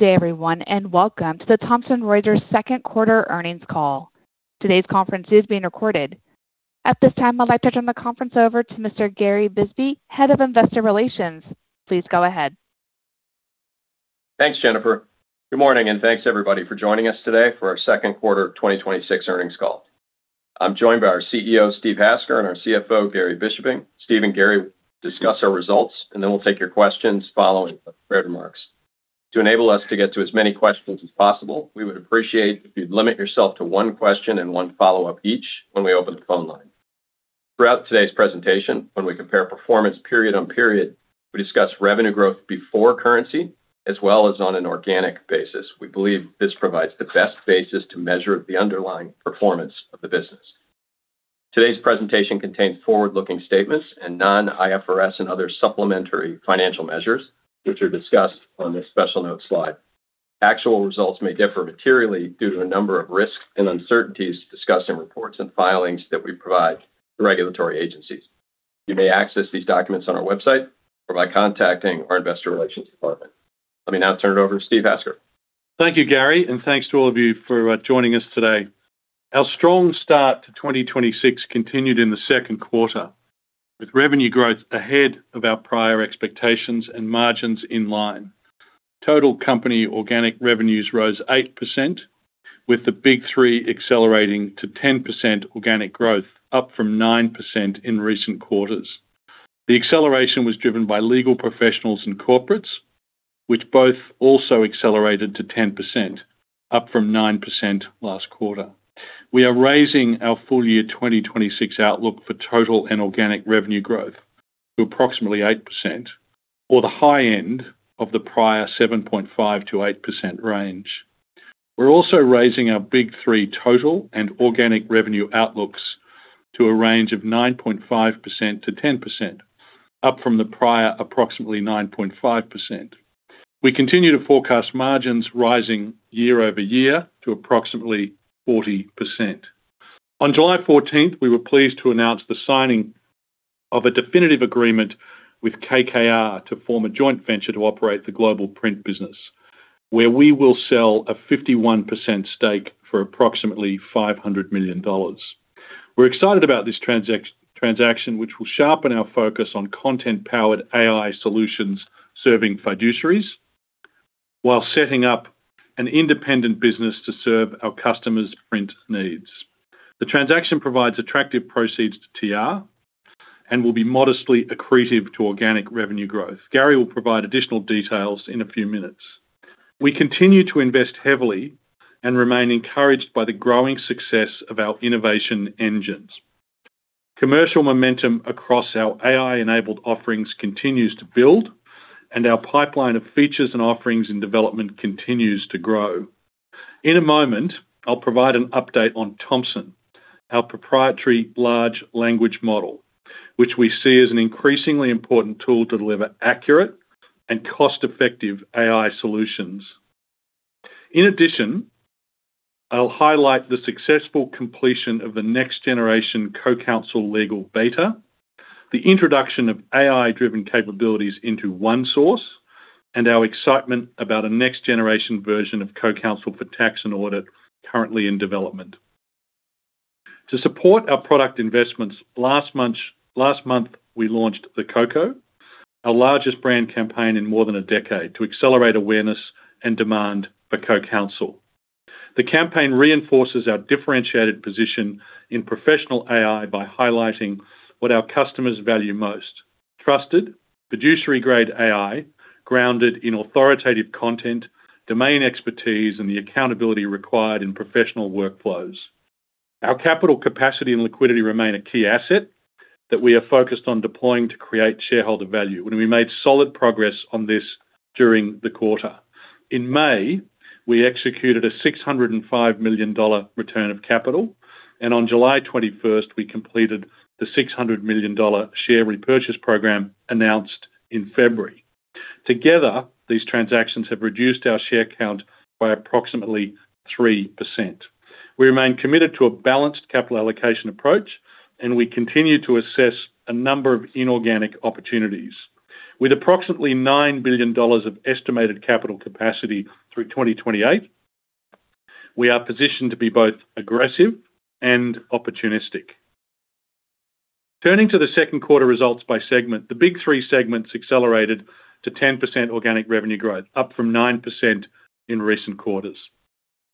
Good day everyone, welcome to the Thomson Reuters second quarter earnings call. Today's conference is being recorded. At this time, I'd like to turn the conference over to Mr. Gary Bisbee, Head of Investor Relations. Please go ahead. Thanks, Jennifer. Good morning, thanks everybody for joining us today for our second quarter 2026 earnings call. I'm joined by our CEO, Steve Hasker, and our CFO, Gary Bischoping. Steve and Gary will discuss our results, then we'll take your questions following the prepared remarks. To enable us to get to as many questions as possible, we would appreciate if you'd limit yourself to one question and one follow-up each when we open the phone line. Throughout today's presentation, when we compare performance period on period, we discuss revenue growth before currency as well as on an organic basis. We believe this provides the best basis to measure the underlying performance of the business. Today's presentation contains forward-looking statements and non-IFRS and other supplementary financial measures, which are discussed on this special note slide. Actual results may differ materially due to a number of risks and uncertainties discussed in reports and filings that we provide to regulatory agencies. You may access these documents on our website or by contacting our investor relations department. Let me now turn it over to Steve Hasker. Thank you, Gary, thanks to all of you for joining us today. Our strong start to 2026 continued in the second quarter, with revenue growth ahead of our prior expectations and margins in line. Total company organic revenues rose 8%, with the Big 3 accelerating to 10% organic growth, up from 9% in recent quarters. The acceleration was driven by legal professionals and corporates, which both also accelerated to 10%, up from 9% last quarter. We are raising our full-year 2026 outlook for total and organic revenue growth to approximately 8%, or the high end of the prior 7.5%-8% range. We're also raising our Big 3 total and organic revenue outlooks to a range of 9.5%-10%, up from the prior approximately 9.5%. We continue to forecast margins rising year-over-year to approximately 40%. On July 14th, we were pleased to announce the signing of a definitive agreement with KKR to form a joint venture to operate the Global Print business, where we will sell a 51% stake for approximately $500 million. We're excited about this transaction, which will sharpen our focus on content-powered AI solutions serving fiduciaries while setting up an independent business to serve our customers' print needs. The transaction provides attractive proceeds to TR and will be modestly accretive to organic revenue growth. Gary will provide additional details in a few minutes. We continue to invest heavily and remain encouraged by the growing success of our innovation engines. Commercial momentum across our AI-enabled offerings continues to build, and our pipeline of features and offerings in development continues to grow. In a moment, I'll provide an update on Thomson, our proprietary large language model, which we see as an increasingly important tool to deliver accurate and cost-effective AI solutions. In addition, I'll highlight the successful completion of the next-generation CoCounsel Legal beta, the introduction of AI-driven capabilities into ONESOURCE, and our excitement about a next-generation version of CoCounsel for Tax & Audit currently in development. To support our product investments, last month, we launched "The CoCo", our largest brand campaign in more than a decade, to accelerate awareness and demand for CoCounsel. The campaign reinforces our differentiated position in professional AI by highlighting what our customers value most: trusted, fiduciary-grade AI grounded in authoritative content, domain expertise, and the accountability required in professional workflows. Our capital capacity and liquidity remain a key asset that we are focused on deploying to create shareholder value. We made solid progress on this during the quarter. In May, we executed a $605 million return of capital, and on July 21st, we completed the $600 million share repurchase program announced in February. Together, these transactions have reduced our share count by approximately 3%. We remain committed to a balanced capital allocation approach, and we continue to assess a number of inorganic opportunities. With approximately $9 billion of estimated capital capacity through 2028, we are positioned to be both aggressive and opportunistic. Turning to the second quarter results by segment. The Big 3 segments accelerated to 10% organic revenue growth, up from 9% in recent quarters.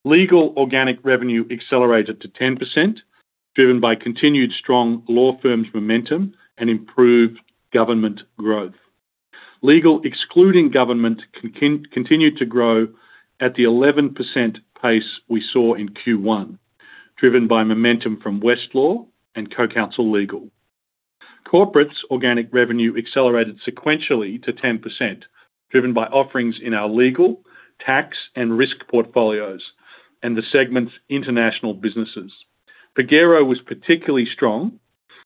Legal organic revenue accelerated to 10%, driven by continued strong law firms' momentum and improved government growth. Legal, excluding government, continued to grow at the 11% pace we saw in Q1, driven by momentum from Westlaw and CoCounsel Legal. Corporates' organic revenue accelerated sequentially to 10%, driven by offerings in our legal, tax, and risk portfolios and the segment's international businesses. Pagero was particularly strong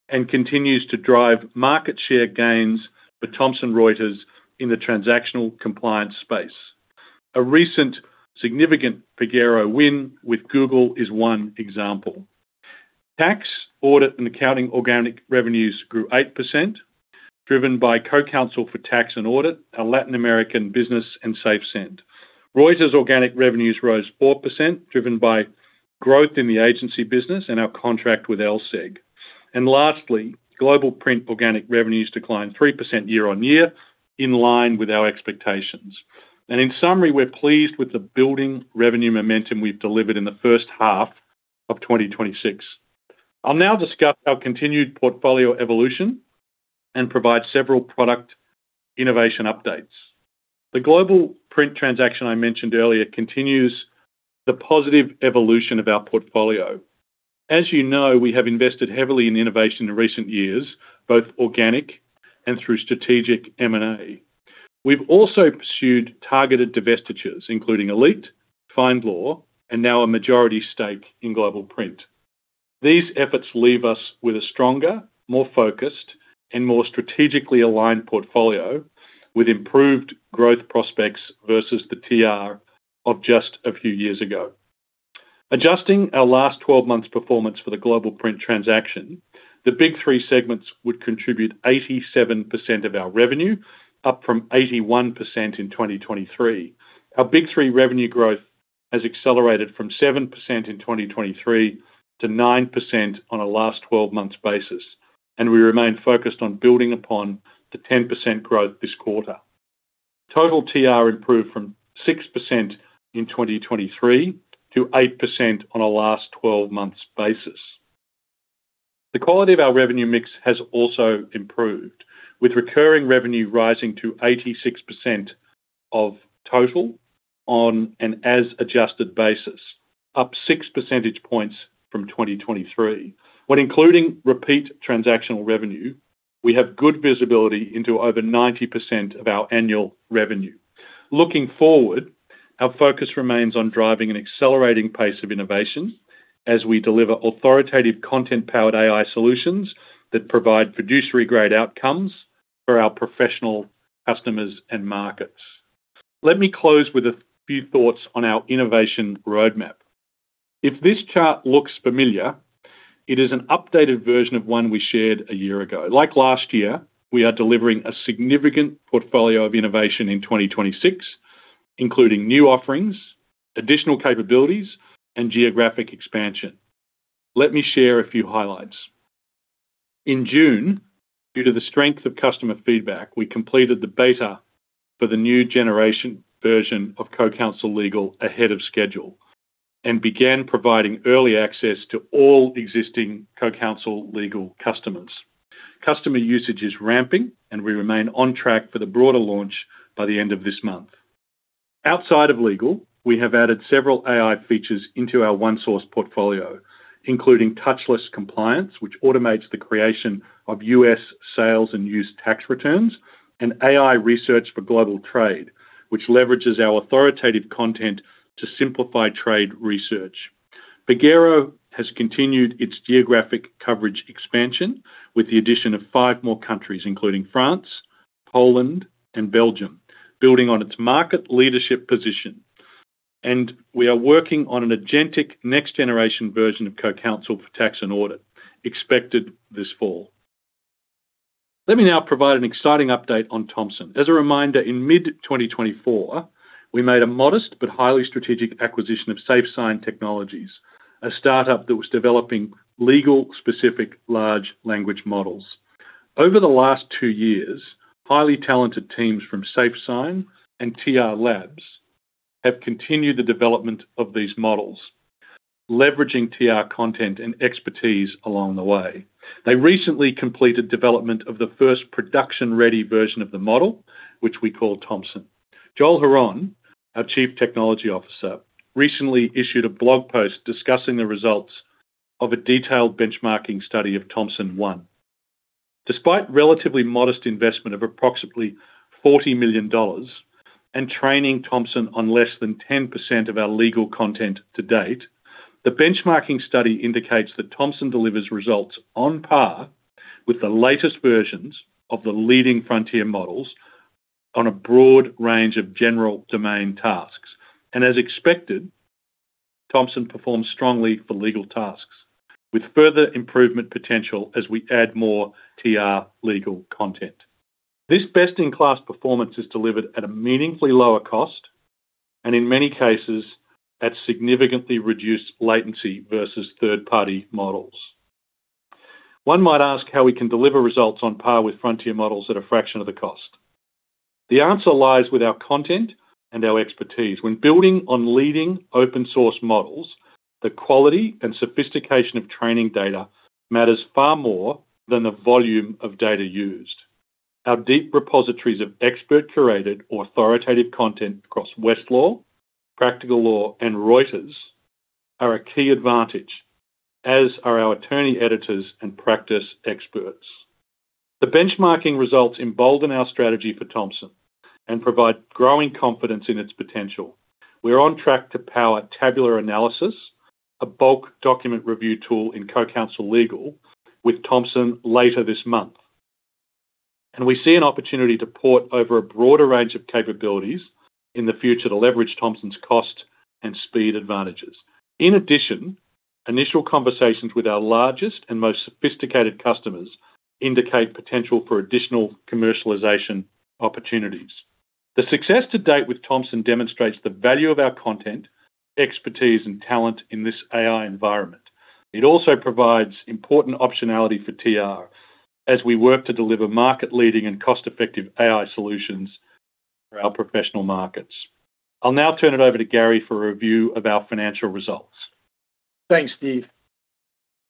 and continues to drive market share gains for Thomson Reuters in the transactional compliance space. A recent significant Pagero win with Google is one example. Tax, Audit & Accounting organic revenues grew 8%, driven by CoCounsel for Tax & Audit, our Latin American business, and SafeSend. Reuters' organic revenues rose 4%, driven by growth in the agency business and our contract with LSEG. Lastly, Global Print organic revenues declined 3% year-on-year, in line with our expectations. In summary, we're pleased with the building revenue momentum we've delivered in the first half of 2026. I'll now discuss our continued portfolio evolution and provide several product innovation updates. The Global Print transaction I mentioned earlier continues the positive evolution of our portfolio. As you know, we have invested heavily in innovation in recent years, both organic and through strategic M&A. We've also pursued targeted divestitures, including Elite, FindLaw, and now a majority stake in Global Print. These efforts leave us with a stronger, more focused, and more strategically aligned portfolio with improved growth prospects versus the TR of just a few years ago. Adjusting our last 12 months' performance for the Global Print transaction, the Big 3 segments would contribute 87% of our revenue, up from 81% in 2023. Our Big 3 revenue growth has accelerated from 7% in 2023 to 9% on a last 12 months basis, and we remain focused on building upon the 10% growth this quarter. Total TR improved from 6% in 2023 to 8% on a last 12 months basis. The quality of our revenue mix has also improved, with recurring revenue rising to 86% of total on an as-adjusted basis, up six percentage points from 2023. When including repeat transactional revenue, we have good visibility into over 90% of our annual revenue. Looking forward, our focus remains on driving an accelerating pace of innovation as we deliver authoritative content-powered AI solutions that provide producer-grade outcomes for our professional customers and markets. Let me close with a few thoughts on our innovation roadmap. If this chart looks familiar, it is an updated version of one we shared a year ago. Like last year, we are delivering a significant portfolio of innovation in 2026, including new offerings, additional capabilities, and geographic expansion. Let me share a few highlights. In June, due to the strength of customer feedback, we completed the beta for the new generation version of CoCounsel Legal ahead of schedule and began providing early access to all existing CoCounsel Legal customers. Customer usage is ramping, and we remain on track for the broader launch by the end of this month. Outside of Legal, we have added several AI features into our ONESOURCE portfolio, including touchless compliance, which automates the creation of U.S. sales and use tax returns, and AI research for global trade, which leverages our authoritative content to simplify trade research. Pagero has continued its geographic coverage expansion with the addition of five more countries, including France, Poland, and Belgium, building on its market leadership position. We are working on an agentic next-generation version of CoCounsel for Tax & Audit, expected this fall. Let me now provide an exciting update on Thomson. As a reminder, in mid-2024, we made a modest but highly strategic acquisition of SafeSign Technologies, a startup that was developing legal-specific large language models. Over the last two years, highly talented teams from SafeSign and TR Labs have continued the development of these models, leveraging TR content and expertise along the way. They recently completed development of the first production-ready version of the model, which we call Thomson. Joel Hron, our Chief Technology Officer, recently issued a blog post discussing the results of a detailed benchmarking study of Thomson. Despite relatively modest investment of approximately $40 million and training Thomson on less than 10% of our legal content to date, the benchmarking study indicates that Thomson delivers results on par with the latest versions of the leading frontier models on a broad range of general domain tasks. As expected, Thomson performs strongly for legal tasks, with further improvement potential as we add more TR legal content. This best-in-class performance is delivered at a meaningfully lower cost and in many cases, at significantly reduced latency versus third-party models. One might ask how we can deliver results on par with frontier models at a fraction of the cost. The answer lies with our content and our expertise. When building on leading open-source models, the quality and sophistication of training data matters far more than the volume of data used. Our deep repositories of expert-curated or authoritative content across Westlaw, Practical Law, and Reuters are a key advantage, as are our attorney editors and practice experts. The benchmarking results embolden our strategy for Thomson and provide growing confidence in its potential. We are on track to power tabular analysis, a bulk document review tool in CoCounsel Legal with Thomson later this month. We see an opportunity to port over a broader range of capabilities in the future to leverage Thomson's cost and speed advantages. In addition, initial conversations with our largest and most sophisticated customers indicate potential for additional commercialization opportunities. The success to date with Thomson demonstrates the value of our content, expertise, and talent in this AI environment. It also provides important optionality for TR as we work to deliver market-leading and cost-effective AI solutions for our professional markets. I'll now turn it over to Gary for a review of our financial results. Thanks, Steve.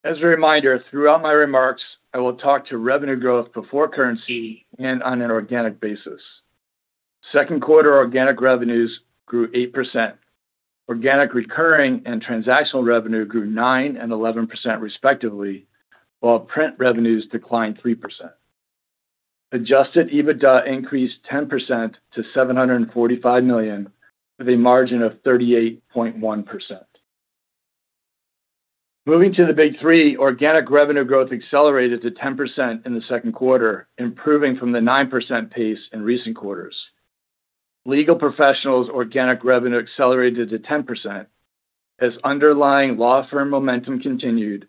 As a reminder, throughout my remarks, I will talk to revenue growth before currency and on an organic basis. Second quarter organic revenues grew 8%. Organic recurring and transactional revenue grew 9% and 11% respectively, while print revenues declined 3%. Adjusted EBITDA increased 10% to $745 million, with a margin of 38.1%. Moving to the Big 3, organic revenue growth accelerated to 10% in the second quarter, improving from the 9% pace in recent quarters. Legal professionals organic revenue accelerated to 10%, as underlying law firm momentum continued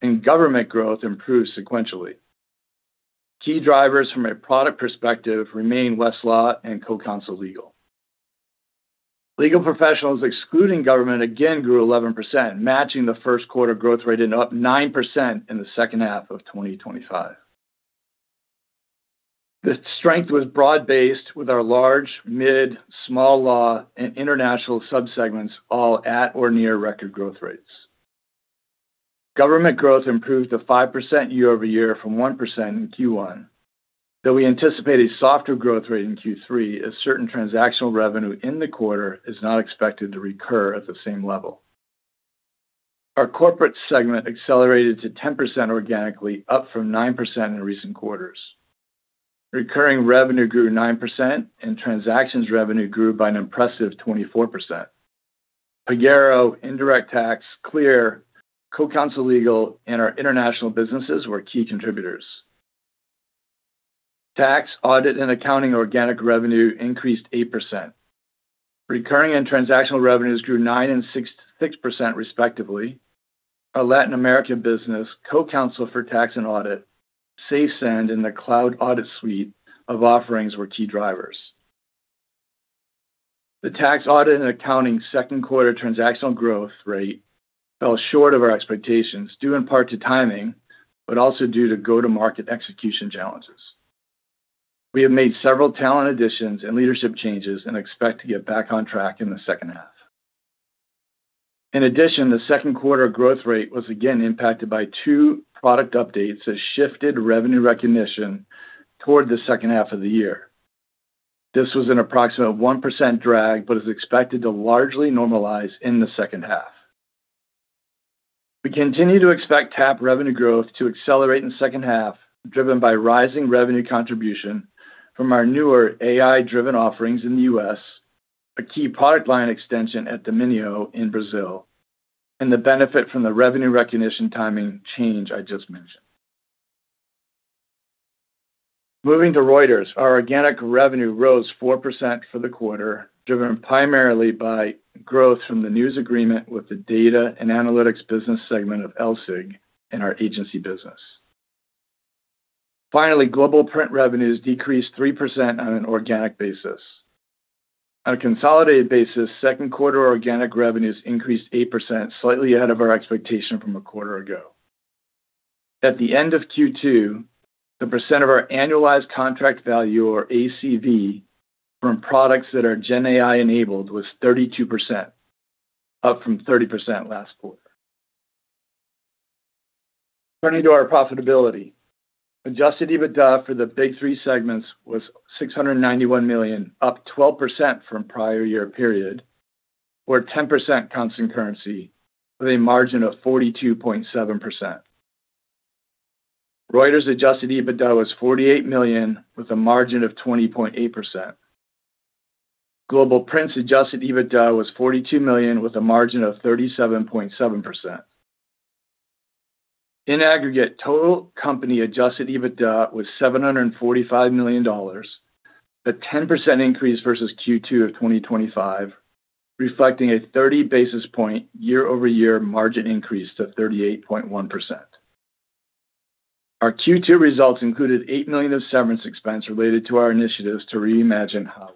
and government growth improved sequentially. Key drivers from a product perspective remain Westlaw and CoCounsel Legal. Legal professionals excluding government again grew 11%, matching the first quarter growth rate and up 9% in the second half of 2025. The strength was broad-based with our large, mid, small law, and international subsegments all at or near record growth rates. Government growth improved to 5% year-over-year from 1% in Q1. Though I anticipate a softer growth rate in Q3 as certain transactional revenue in the quarter is not expected to recur at the same level. Our corporate segment accelerated to 10% organically, up from 9% in recent quarters. Recurring revenue grew 9%, and transactions revenue grew by an impressive 24%. Pagero, Indirect Tax, CLEAR, CoCounsel Legal, and our international businesses were key contributors. Tax, Audit & Accounting organic revenue increased 8%. Recurring and transactional revenues grew 9% and 6%, respectively. Our Latin American business CoCounsel for Tax & Audit, SafeSend, and the Cloud Audit Suite of offerings were key drivers. The Tax, Audit & Accounting second quarter transactional growth rate fell short of our expectations, due in part to timing, but also due to go-to-market execution challenges. We have made several talent additions and leadership changes and expect to get back on track in the second half. In addition, the second quarter growth rate was again impacted by two product updates that shifted revenue recognition toward the second half of the year. This was an approximate 1% drag, but is expected to largely normalize in the second half. We continue to expect TAA revenue growth to accelerate in second half, driven by rising revenue contribution from our newer AI-driven offerings in the U.S., a key product line extension at Domínio in Brazil, and the benefit from the revenue recognition timing change I just mentioned. Moving to Reuters, our organic revenue rose 4% for the quarter, driven primarily by growth from the news agreement with the data and analytics business segment of LSEG and our agency business. Finally, Global Print revenues decreased 3% on an organic basis. On a consolidated basis, second quarter organic revenues increased 8%, slightly ahead of our expectation from a quarter ago. At the end of Q2, the percent of our annualized contract value or ACV from products that are GenAI-enabled was 32%, up from 30% last quarter. Turning to our profitability, adjusted EBITDA for the Big 3 segments was $691 million, up 12% from prior year period, or 10% constant currency, with a margin of 42.7%. Reuters adjusted EBITDA was $48 million, with a margin of 20.8%. Global Print's adjusted EBITDA was $42 million with a margin of 37.7%. In aggregate, total company adjusted EBITDA was $745 million, a 10% increase versus Q2 of 2025, reflecting a 30-basis point year-over-year margin increase to 38.1%. Our Q2 results included $8 million of severance expense related to our initiatives to reimagine how.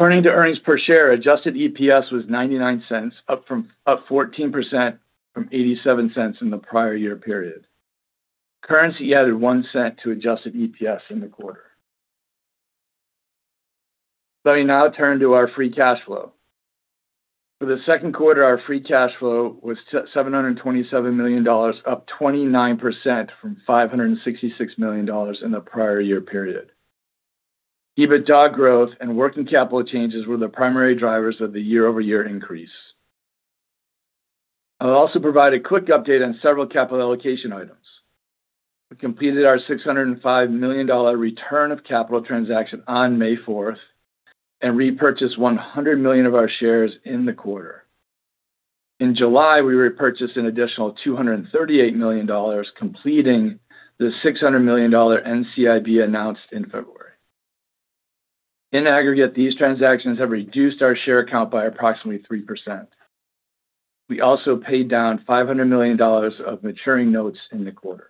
Turning to earnings per share, adjusted EPS was $0.99, up 14% from $0.87 in the prior year period. Currency added $0.01 to adjusted EPS in the quarter. Let me now turn to our free cash flow. For the second quarter, our free cash flow was $727 million, up 29% from $566 million in the prior year period. EBITDA growth and working capital changes were the primary drivers of the year-over-year increase. I'll also provide a quick update on several capital allocation items. We completed our $605 million return of capital transaction on May 4th and repurchased $100 million of our shares in the quarter. In July, we repurchased an additional $238 million, completing the $600 million NCIB announced in February. In aggregate, these transactions have reduced our share count by approximately 3%. We also paid down $500 million of maturing notes in the quarter.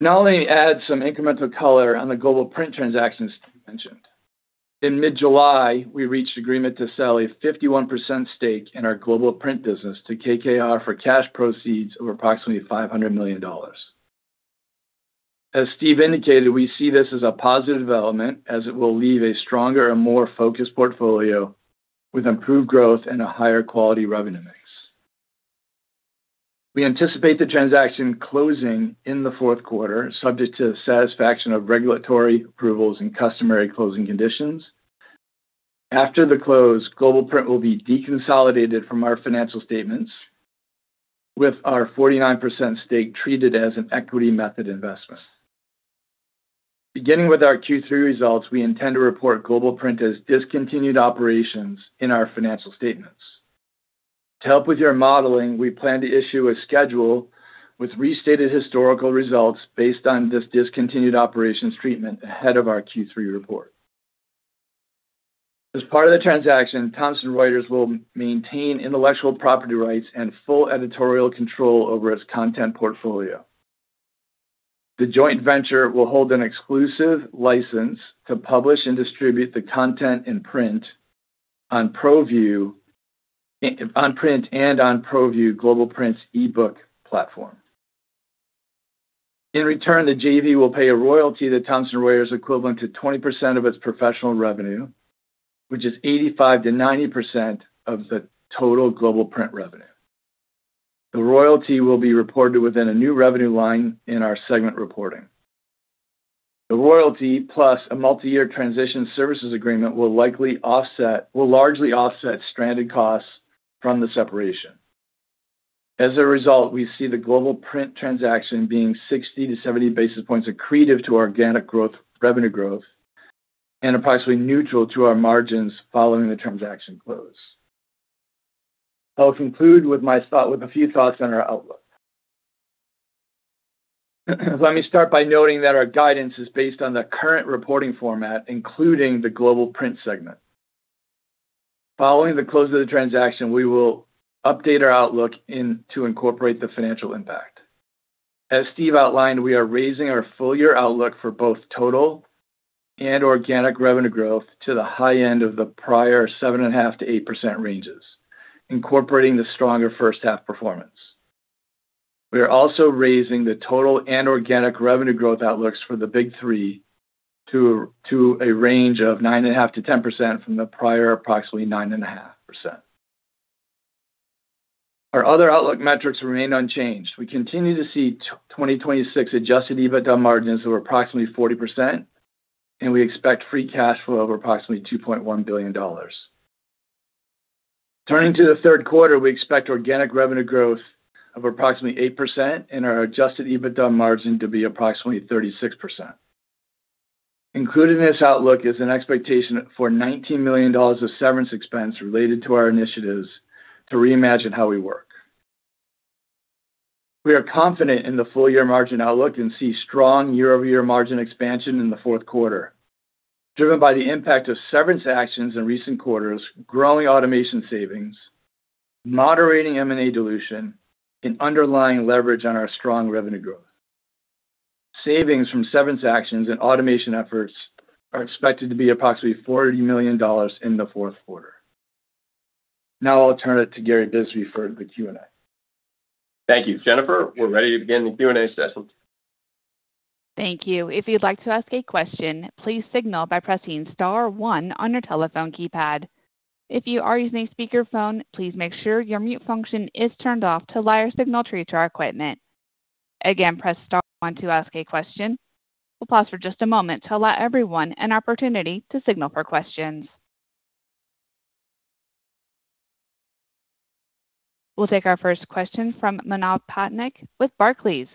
Now let me add some incremental color on the Global Print transactions Steve mentioned. In mid-July, we reached agreement to sell a 51% stake in our Global Print business to KKR for cash proceeds of approximately $500 million. As Steve indicated, we see this as a positive development as it will leave a stronger and more focused portfolio with improved growth and a higher quality revenue mix. We anticipate the transaction closing in the fourth quarter, subject to the satisfaction of regulatory approvals and customary closing conditions. After the close, Global Print will be deconsolidated from our financial statements with our 49% stake treated as an equity method investment. Beginning with our Q3 results, we intend to report Global Print as discontinued operations in our financial statements. To help with your modeling, we plan to issue a schedule with restated historical results based on this discontinued operations treatment ahead of our Q3 report. As part of the transaction, Thomson Reuters will maintain intellectual property rights and full editorial control over its content portfolio. The joint venture will hold an exclusive license to publish and distribute the content in print on ProView, on print and on ProView, Global Print's eBook platform. In return, the JV will pay a royalty to Thomson Reuters equivalent to 20% of its professional revenue, which is 85%-90% of the total Global Print revenue. The royalty will be reported within a new revenue line in our segment reporting. The royalty plus a multi-year transition services agreement will largely offset stranded costs from the separation. As a result, we see the Global Print transaction being 60 basis points-70 basis points accretive to our organic growth, revenue growth and approximately neutral to our margins following the transaction close. I'll conclude with a few thoughts on our outlook. Let me start by noting that our guidance is based on the current reporting format, including the Global Print segment. Following the close of the transaction, we will update our outlook to incorporate the financial impact. As Steve outlined, we are raising our full-year outlook for both total and organic revenue growth to the high end of the prior 7.5%-8% ranges, incorporating the stronger first-half performance. We are also raising the total and organic revenue growth outlooks for the Big 3 to a range of 9.5%-10% from the prior approximately 9.5%. Our other outlook metrics remain unchanged. We continue to see 2026 adjusted EBITDA margins of approximately 40%, and we expect free cash flow of approximately $2.1 billion. Turning to the third quarter, we expect organic revenue growth of approximately 8% and our adjusted EBITDA margin to be approximately 36%. Included in this outlook is an expectation for $19 million of severance expense related to our initiatives to reimagine how we work. We are confident in the full-year margin outlook and see strong year-over-year margin expansion in the fourth quarter, driven by the impact of severance actions in recent quarters, growing automation savings, moderating M&A dilution, and underlying leverage on our strong revenue growth. Savings from severance actions and automation efforts are expected to be approximately $40 million in the fourth quarter. I'll turn it to Gary Bisbee for the Q&A. Thank you. Jennifer, we're ready to begin the Q&A session. Thank you. If you'd like to ask a question, please signal by pressing star one on your telephone keypad. If you are using a speakerphone, please make sure your mute function is turned off to allow your signal through to our equipment. Again, press star one to ask a question. We'll pause for just a moment to allow everyone an opportunity to signal for questions. We'll take our first question from Manav Patnaik with Barclays.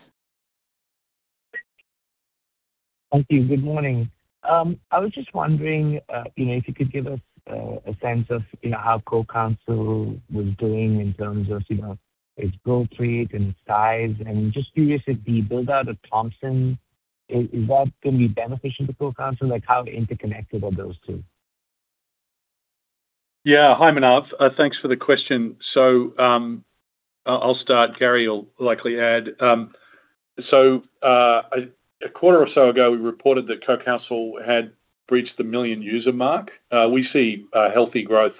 Thank you. Good morning. I was just wondering if you could give us a sense of how CoCounsel was doing in terms of its growth rate and size. Just curious if the build-out of Thomson, is that going to be beneficial to CoCounsel? Like how interconnected are those two? Yeah. Hi, Manav. Thanks for the question. I'll start. Gary will likely add. A quarter or so ago, we reported that CoCounsel had breached the million-user mark. We see healthy growth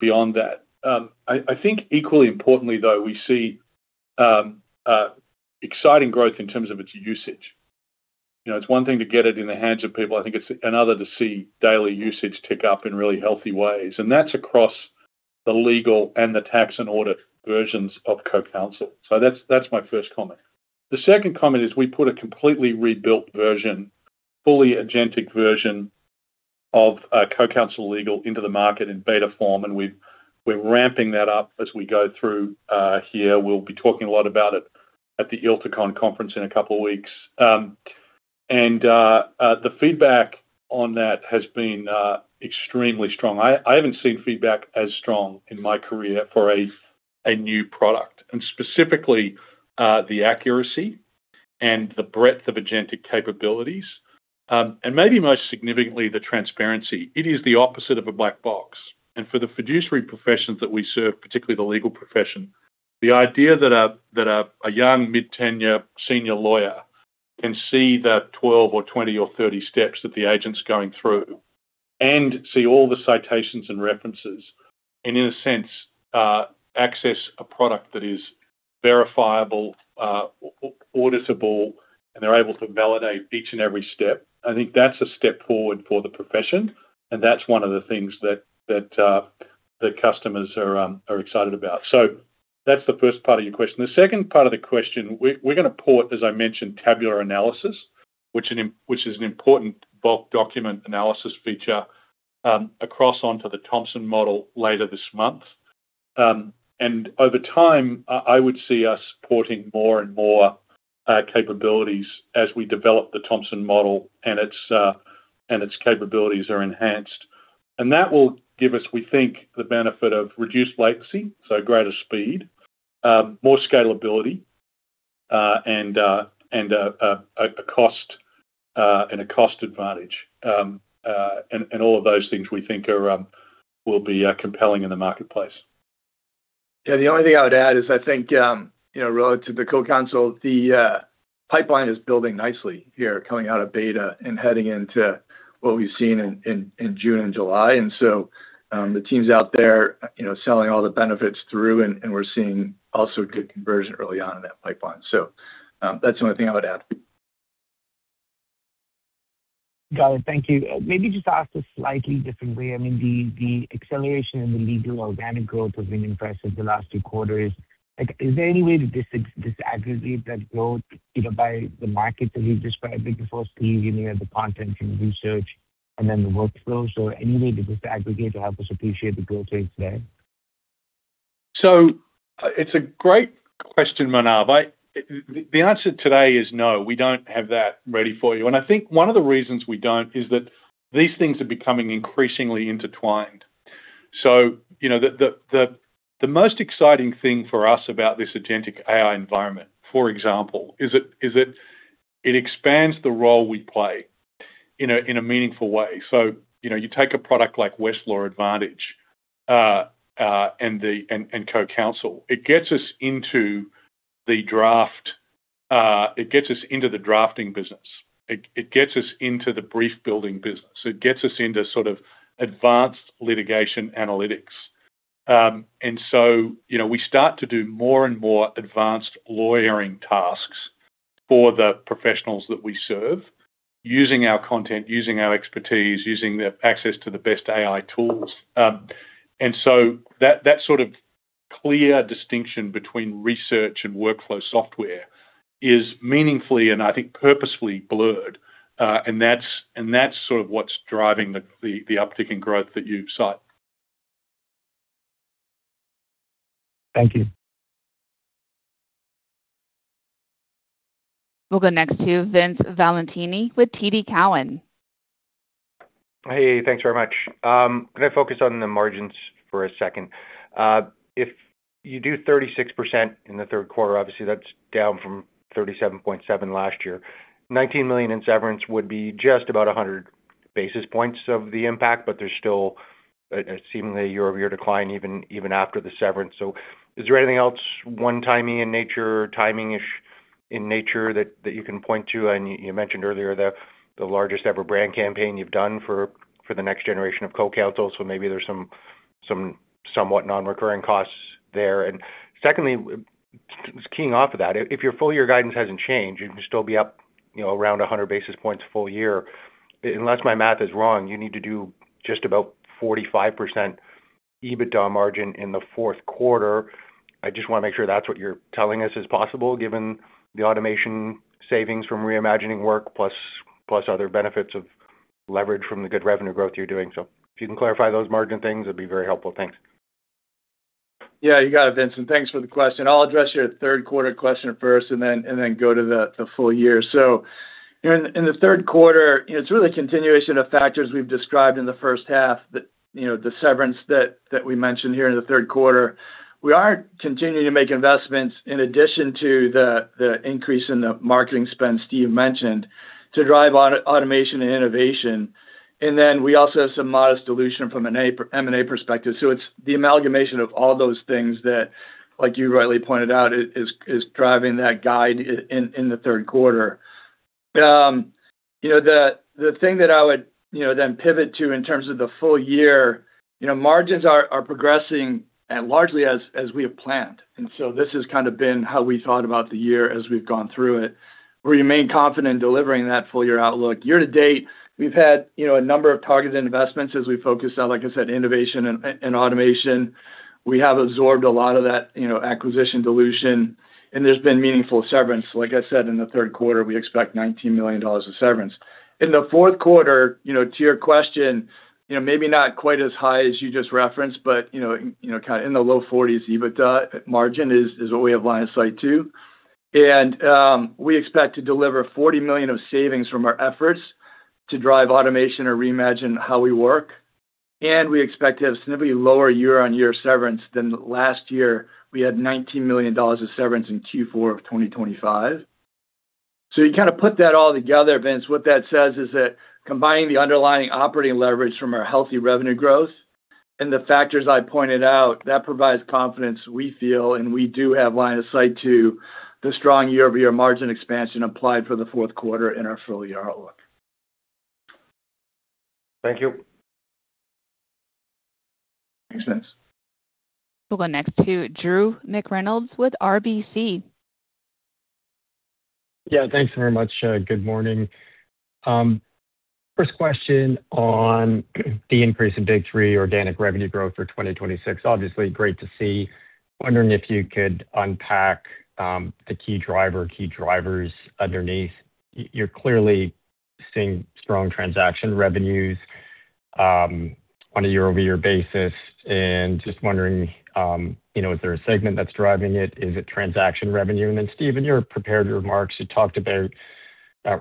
beyond that. I think equally importantly, though, we see exciting growth in terms of its usage. It's one thing to get it in the hands of people. I think it's another to see daily usage tick up in really healthy ways, and that's across the Legal and the Tax & Audit versions of CoCounsel. That's my first comment. The second comment is we put a completely rebuilt version, fully agentic version of CoCounsel Legal into the market in beta form, and we're ramping that up as we go through here. We'll be talking a lot about it at the ILTACON conference in a couple of weeks. The feedback on that has been extremely strong. I haven't seen feedback as strong in my career for a new product. Specifically the accuracy and the breadth of agentic capabilities. Maybe most significantly, the transparency. It is the opposite of a black box. For the fiduciary professions that we serve, particularly the legal profession, the idea that a young, mid-tenure senior lawyer can see the 12 or 20 or 30 steps that the agent's going through and see all the citations and references, and in a sense, access a product that is verifiable, auditable, and they're able to validate each and every step, I think that's a step forward for the profession, and that's one of the things that the customers are excited about. That's the first part of your question. The second part of the question, we're going to port, as I mentioned, tabular analysis, which is an important bulk document analysis feature, across onto the Thomson model later this month. Over time, I would see us porting more and more capabilities as we develop the Thomson model and its capabilities are enhanced. That will give us, we think, the benefit of reduced latency, so greater speed, more scalability, and a cost advantage. All of those things we think will be compelling in the marketplace. Yeah, the only thing I would add is I think, relative to the CoCounsel, the pipeline is building nicely here coming out of beta and heading into what we've seen in June and July. The team's out there selling all the benefits through, and we're seeing also good conversion early on in that pipeline. That's the only thing I would add. Got it. Thank you. Maybe just ask a slightly different way. The acceleration in the legal organic growth has been impressive the last two quarters. Is there any way to disaggregate that growth, either by the market that you described, like the first three, the content and research, and then the workflows? Or any way to disaggregate to help us appreciate the growth rates there? It's a great question, Manav. The answer today is no, we don't have that ready for you. I think one of the reasons we don't is that these things are becoming increasingly intertwined. The most exciting thing for us about this agentic AI environment, for example, is it expands the role we play in a meaningful way. You take a product like Westlaw Advantage and CoCounsel. It gets us into the drafting business. It gets us into the brief building business. It gets us into sort of advanced litigation analytics. We start to do more and more advanced lawyering tasks for the professionals that we serve, using our content, using our expertise, using the access to the best AI tools. That sort of clear distinction between research and workflow software is meaningfully and I think purposefully blurred, and that's sort of what's driving the uptick in growth that you cite. Thank you. We'll go next to Vince Valentini with TD Cowen. Hey, thanks very much. Can I focus on the margins for a second? If you do 36% in the third quarter, obviously that's down from 37.7% last year. $19 million in severance would be just about 100 basis points of the impact, but there's still seemingly a year-over-year decline even after the severance. Is there anything else one-timing in nature, timing-ish in nature that you can point to? You mentioned earlier the largest ever brand campaign you've done for the next generation of CoCounsel, so maybe there's some somewhat non-recurring costs there. Secondly, just keying off of that, if your full year guidance hasn't changed, you can still be up around 100 basis points full year. Unless my math is wrong, you need to do just about 45% EBITDA margin in the fourth quarter. I just want to make sure that's what you're telling us is possible, given the automation savings from reimagining work plus other benefits of leverage from the good revenue growth you're doing. If you can clarify those margin things, that'd be very helpful. Thanks. Yeah, you got it, Vince. Thanks for the question. I'll address your third-quarter question first and then go to the full year. In the third quarter, it's really a continuation of factors we've described in the first half. The severance that we mentioned here in the third quarter. We are continuing to make investments in addition to the increase in the marketing spend Steve mentioned to drive automation and innovation. We also have some modest dilution from an M&A perspective. It's the amalgamation of all those things that, like you rightly pointed out, is driving that guide in the third quarter. The thing that I would then pivot to in terms of the full year, margins are progressing largely as we have planned. This has kind of been how we thought about the year as we've gone through it. We remain confident delivering that full-year outlook. Year to date, we've had a number of targeted investments as we focus on, like I said, innovation and automation. We have absorbed a lot of that acquisition dilution, and there's been meaningful severance. Like I said, in the third quarter, we expect $19 million of severance. In the fourth quarter, to your question, maybe not quite as high as you just referenced, but in the low 40s EBITDA margin is what we have line of sight to. We expect to deliver $40 million of savings from our efforts to drive automation or reimagine how we work. We expect to have significantly lower year-on-year severance than last year. We had $19 million of severance in Q4 of 2025. You kind of put that all together, Vince, what that says is that combining the underlying operating leverage from our healthy revenue growth and the factors I pointed out, that provides confidence we feel, and we do have line of sight to the strong year-over-year margin expansion applied for the fourth quarter in our full-year outlook. Thank you. Thanks, Vince. We'll go next to Drew McReynolds with RBC. Yeah, thanks very much. Good morning. First question on the increase in Big 3 organic revenue growth for 2026. Obviously, great to see. Wondering if you could unpack the key driver, key drivers underneath. You're clearly seeing strong transaction revenues on a year-over-year basis, and just wondering, is there a segment that's driving it? Is it transaction revenue? Then Steve, your prepared remarks, you talked about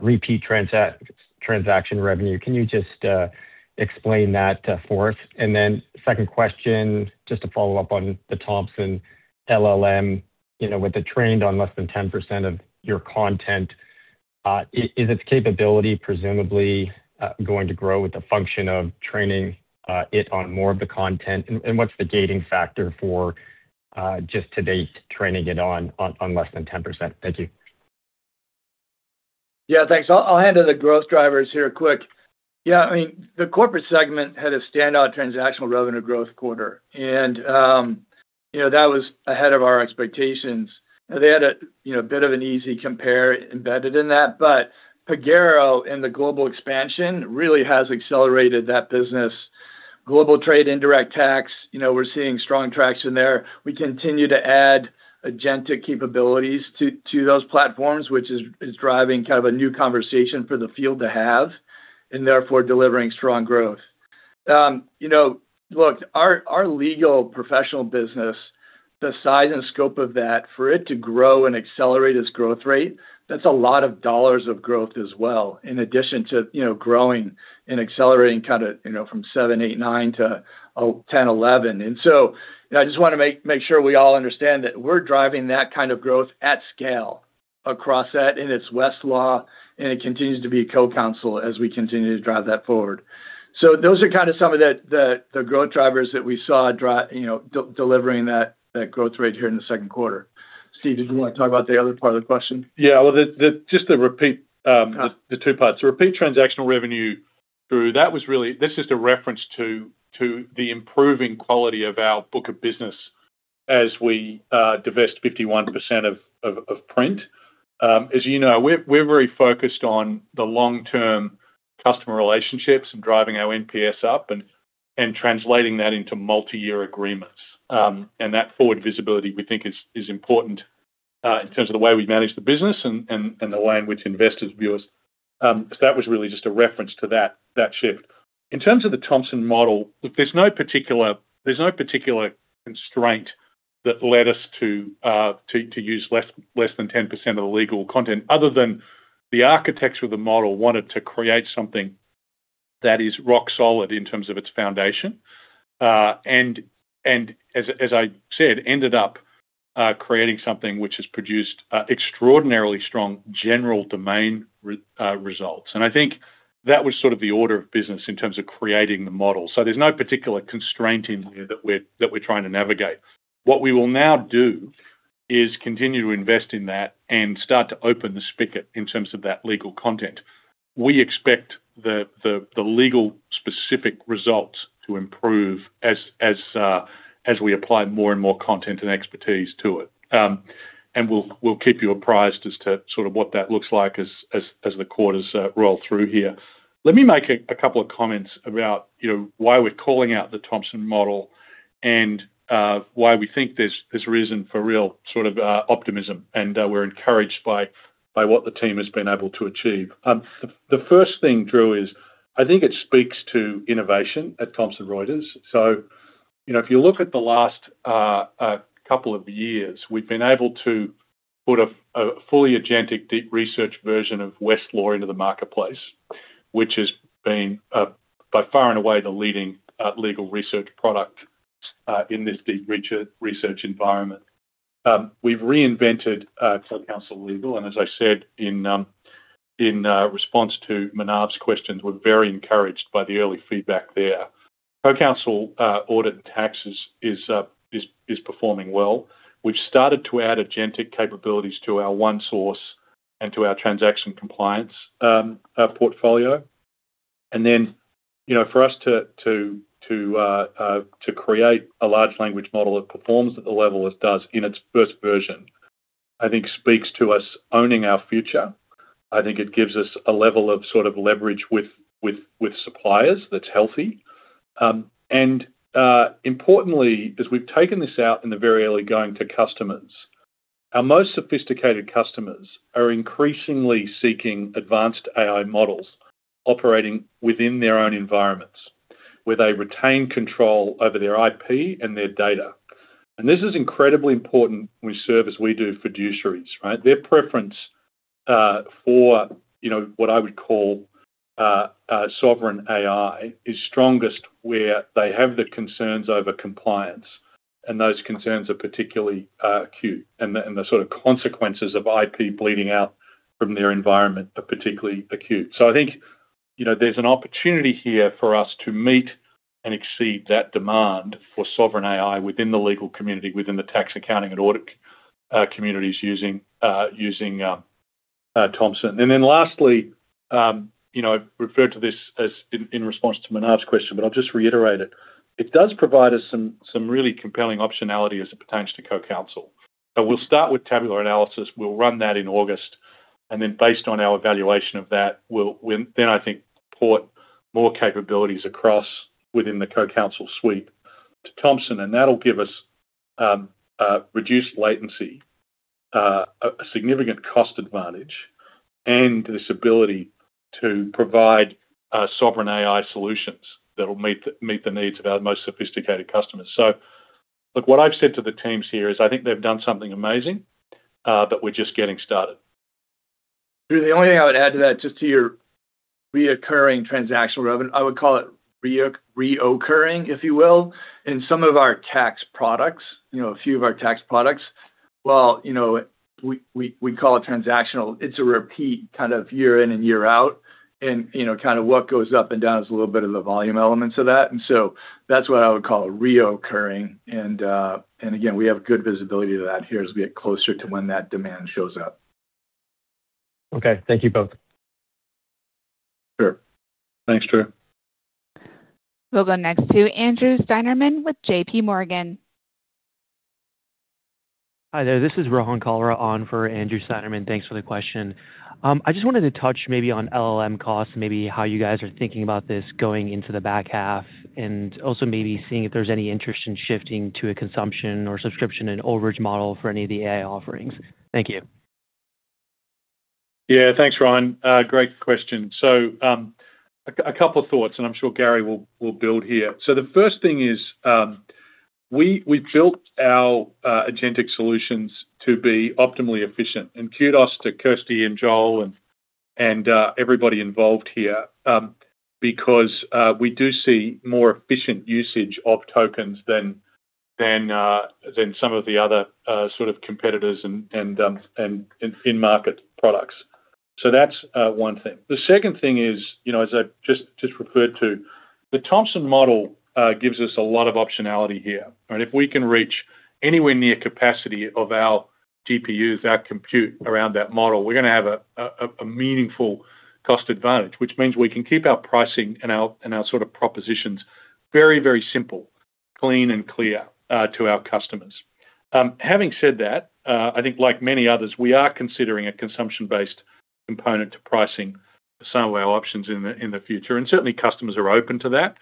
repeat transaction revenue. Can you just explain that for us? Then second question, just to follow up on the Thomson LLM, with it trained on less than 10% of your content, is its capability presumably going to grow with the function of training it on more of the content? And what's the gating factor for just to date training it on less than 10%? Thank you. Thanks. I'll handle the growth drivers here quick. The corporate segment had a standout transactional revenue growth quarter. That was ahead of our expectations. They had a bit of an easy compare embedded in that. Pagero and the global expansion really has accelerated that business. Global Trade, Indirect Tax, we're seeing strong traction there. We continue to add agentic capabilities to those platforms, which is driving kind of a new conversation for the field to have, therefore delivering strong growth. Our legal professional business, the size and scope of that, for it to grow and accelerate its growth rate, that's a lot of dollars of growth as well, in addition to growing and accelerating kind of from seven, eight, nine to 10, 11. I just want to make sure we all understand that we're driving that kind of growth at scale across that in its Westlaw. It continues to be CoCounsel as we continue to drive that forward. Those are kind of some of the growth drivers that we saw delivering that growth rate here in the second quarter. Steve, did you want to talk about the other part of the question? Just the two parts. The repeat transactional revenue, Drew, that was really. This is the reference to the improving quality of our book of business as we divest 51% of Print. You know, we're very focused on the long-term customer relationships and driving our NPS up and translating that into multi-year agreements. That forward visibility, we think is important, in terms of the way we manage the business and the way in which investors view us. That was really just a reference to that shift. In terms of the Thomson model, there's no particular constraint that led us to use less than 10% of the legal content other than the architecture of the model wanted to create something that is rock solid in terms of its foundation. As I said, ended up creating something which has produced extraordinarily strong general domain results. I think that was sort of the order of business in terms of creating the model. There's no particular constraint in there that we're trying to navigate. What we will now do is continue to invest in that and start to open the spigot in terms of that legal content. We expect the legal specific results to improve as we apply more and more content and expertise to it. We'll keep you apprised as to sort of what that looks like as the quarters roll through here. Let me make a couple of comments about why we're calling out the Thomson model and why we think there's reason for real sort of optimism, and we're encouraged by what the team has been able to achieve. The first thing, Drew, is I think it speaks to innovation at Thomson Reuters. If you look at the last couple of years, we've been able to put a fully agentic deep research version of Westlaw into the marketplace, which has been, by far and away, the leading legal research product in this deep research environment. We've reinvented CoCounsel Legal, as I said in response to Manav's questions, we're very encouraged by the early feedback there. CoCounsel Audit & Taxes is performing well. We've started to add agentic capabilities to our ONESOURCE and to our transaction compliance portfolio. For us to create a large language model that performs at the level it does in its first version, I think speaks to us owning our future. I think it gives us a level of sort of leverage with suppliers that's healthy. Importantly, as we've taken this out in the very early going to customers, our most sophisticated customers are increasingly seeking advanced AI models operating within their own environments, where they retain control over their IP and their data. This is incredibly important when we serve, as we do, fiduciaries, right? Their preference for what I would call sovereign AI is strongest where they have the concerns over compliance and those concerns are particularly acute, the sort of consequences of IP bleeding out from their environment are particularly acute. I think there's an opportunity here for us to meet and exceed that demand for sovereign AI within the Legal community, within the Tax, Audit & Accounting communities using Thomson. Lastly, I've referred to this in response to Manav's question, I'll just reiterate it. It does provide us some really compelling optionality as it pertains to CoCounsel. We'll start with tabular analysis. We'll run that in August, based on our evaluation of that, we'll, I think, port more capabilities across within the CoCounsel suite to Thomson. That'll give us reduced latency, a significant cost advantage, and this ability to provide sovereign AI solutions that will meet the needs of our most sophisticated customers. Look, what I've said to the teams here is I think they've done something amazing, but we're just getting started. Steve, the only thing I would add to that, just to your reoccurring transactional revenue, I would call it reoccurring, if you will. In some of our tax products, while we call it transactional, it's a repeat kind of year in and year out, and kind of what goes up and down is a little bit of the volume elements of that. That's what I would call reoccurring. Again, we have good visibility to that here as we get closer to when that demand shows up. Okay. Thank you both. Sure. Thanks, Drew. We'll go next to Andrew Steinerman with JPMorgan. Hi there. This is Rohan Kalra on for Andrew Steinerman. Thanks for the question. I just wanted to touch maybe on LLM costs, maybe how you guys are thinking about this going into the back half, and also maybe seeing if there's any interest in shifting to a consumption or subscription and overage model for any of the AI offerings. Thank you. Thanks, Rohan. Great question. A couple of thoughts, and I'm sure Gary will build here. The first thing is, we built our agentic solutions to be optimally efficient, and kudos to Kirsty and Joel and everybody involved here, because we do see more efficient usage of tokens than some of the other sort of competitors and in-market products. That's one thing. The second thing is, as I just referred to, the Thomson model gives us a lot of optionality here, and if we can reach anywhere near capacity of our GPUs, our compute around that model, we're going to have a meaningful cost advantage, which means we can keep our pricing and our sort of propositions very simple, clean and clear to our customers. Having said that, I think like many others, we are considering a consumption-based component to pricing some of our options in the future. Certainly customers are open to that.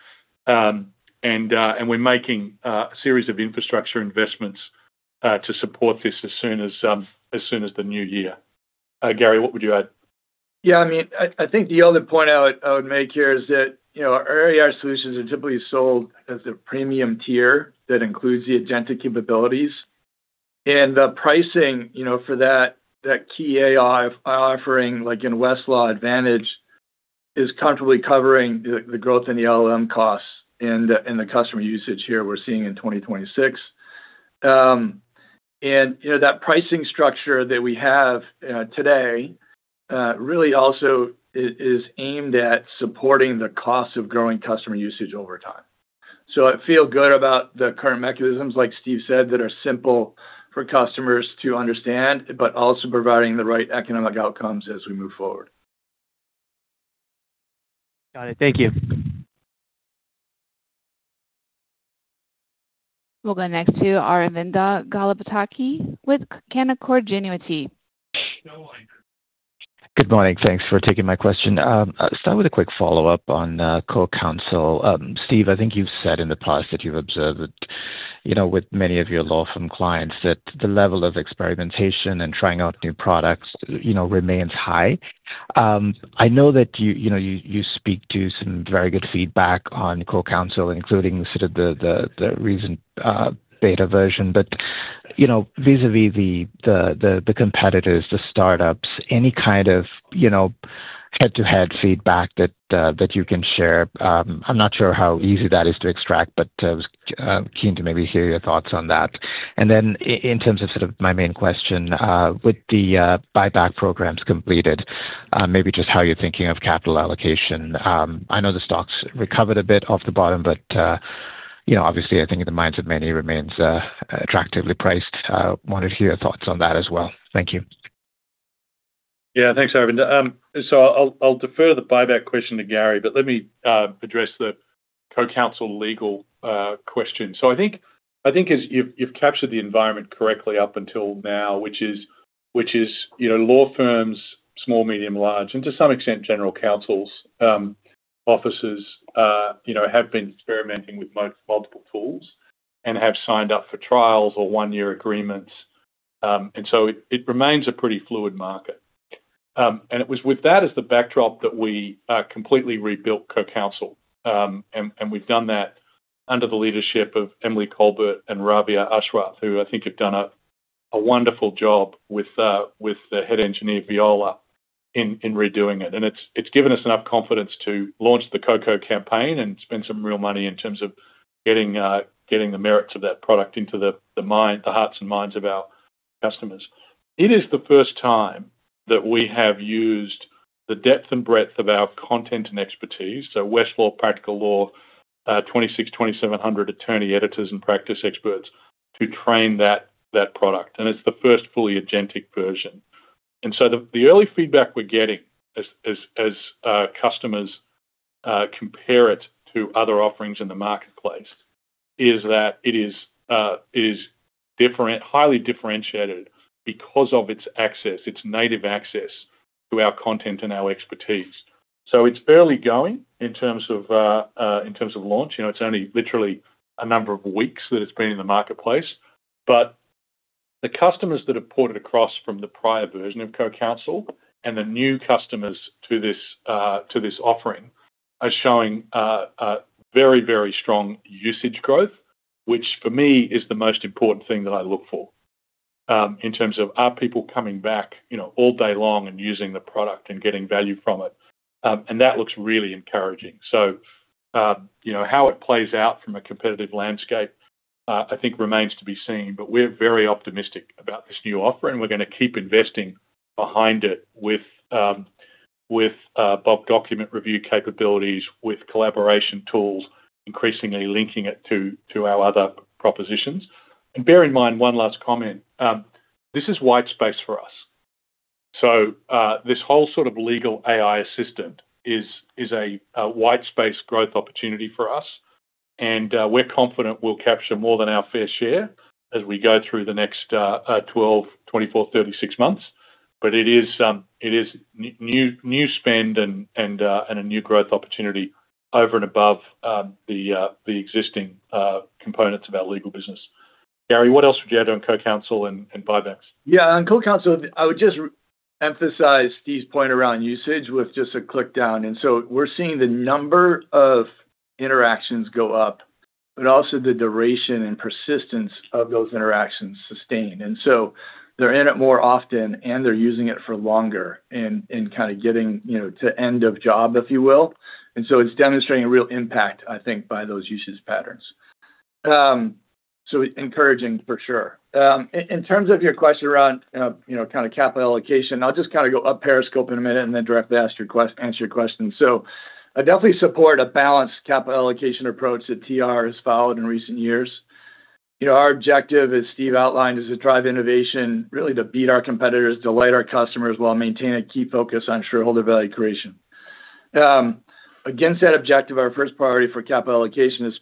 We're making a series of infrastructure investments to support this as soon as the new year. Gary, what would you add? I think the other point I would make here is that our AI solutions are typically sold as the premium tier that includes the agentic capabilities. The pricing for that key AI offering, like in Westlaw Advantage, is comfortably covering the growth in the LLM costs and the customer usage here we're seeing in 2026. That pricing structure that we have today really also is aimed at supporting the cost of growing customer usage over time. I feel good about the current mechanisms, like Steve said, that are simple for customers to understand, but also providing the right economic outcomes as we move forward. Got it. Thank you. We'll go next to Aravinda Galappatthige with Canaccord Genuity. Good morning. Thanks for taking my question. Start with a quick follow-up on CoCounsel. Steve, I think you've said in the past that you've observed that, with many of your law firm clients, that the level of experimentation and trying out new products remains high. I know that you speak to some very good feedback on CoCounsel, including the sort of the recent beta version. Vis-a-vis the competitors, the startups, any kind of head-to-head feedback that you can share? I'm not sure how easy that is to extract, but I was keen to maybe hear your thoughts on that. In terms of sort of my main question, with the buyback programs completed, maybe just how you're thinking of capital allocation. I know the stock's recovered a bit off the bottom, but obviously I think in the minds of many remains attractively priced. I wanted to hear your thoughts on that as well. Thank you. Thanks, Aravinda. I'll defer the buyback question to Gary, but let me address the CoCounsel Legal question. I think as you've captured the environment correctly up until now, which is law firms, small, medium, large, and to some extent general counsels offices have been experimenting with multiple tools and have signed up for trials or one-year agreements. It remains a pretty fluid market. It was with that as the backdrop that we completely rebuilt CoCounsel. We've done that under the leadership of Emily Colbert and Rawia Ashraf, who I think have done a wonderful job with the head engineer, Viola, in redoing it. It's given us enough confidence to launch the CoCo campaign and spend some real money in terms of getting the merits of that product into the hearts and minds of our customers. It is the first time that we have used the depth and breadth of our content and expertise, Westlaw, Practical Law, 2,600, 2,700 attorney editors and practice experts to train that product. It's the first fully agentic version. The early feedback we're getting as customers compare it to other offerings in the marketplace is that it is highly differentiated because of its access, its native access to our content and our expertise. It's barely going in terms of launch. It's only literally a number of weeks that it's been in the marketplace, the customers that have ported across from the prior version of CoCounsel and the new customers to this offering are showing very strong usage growth, which for me is the most important thing that I look for, in terms of are people coming back all day long and using the product and getting value from it? That looks really encouraging. How it plays out from a competitive landscape, I think remains to be seen, we're very optimistic about this new offering. We're going to keep investing behind it with bulk document review capabilities, with collaboration tools, increasingly linking it to our other propositions. Bear in mind, one last comment. This is white space for us. This whole sort of legal AI assistant is a white space growth opportunity for us, we're confident we'll capture more than our fair share as we go through the next 12, 24, 36 months. It is new spend and a new growth opportunity over and above the existing components of our legal business. Gary, what else would you add on CoCounsel and buybacks? Yeah. On CoCounsel, I would just emphasize Steve's point around usage with just a click down. We're seeing the number of interactions go up, but also the duration and persistence of those interactions sustain. They're in it more often, and they're using it for longer and kind of getting to end of job, if you will. It's demonstrating a real impact, I think, by those usage patterns. Encouraging for sure. In terms of your question around capital allocation, I'll just go up periscope in a minute and then directly answer your question. I definitely support a balanced capital allocation approach that TR has followed in recent years. Our objective, as Steve outlined, is to drive innovation, really to beat our competitors, delight our customers, while maintaining a key focus on shareholder value creation. Against that objective, our first priority for capital allocation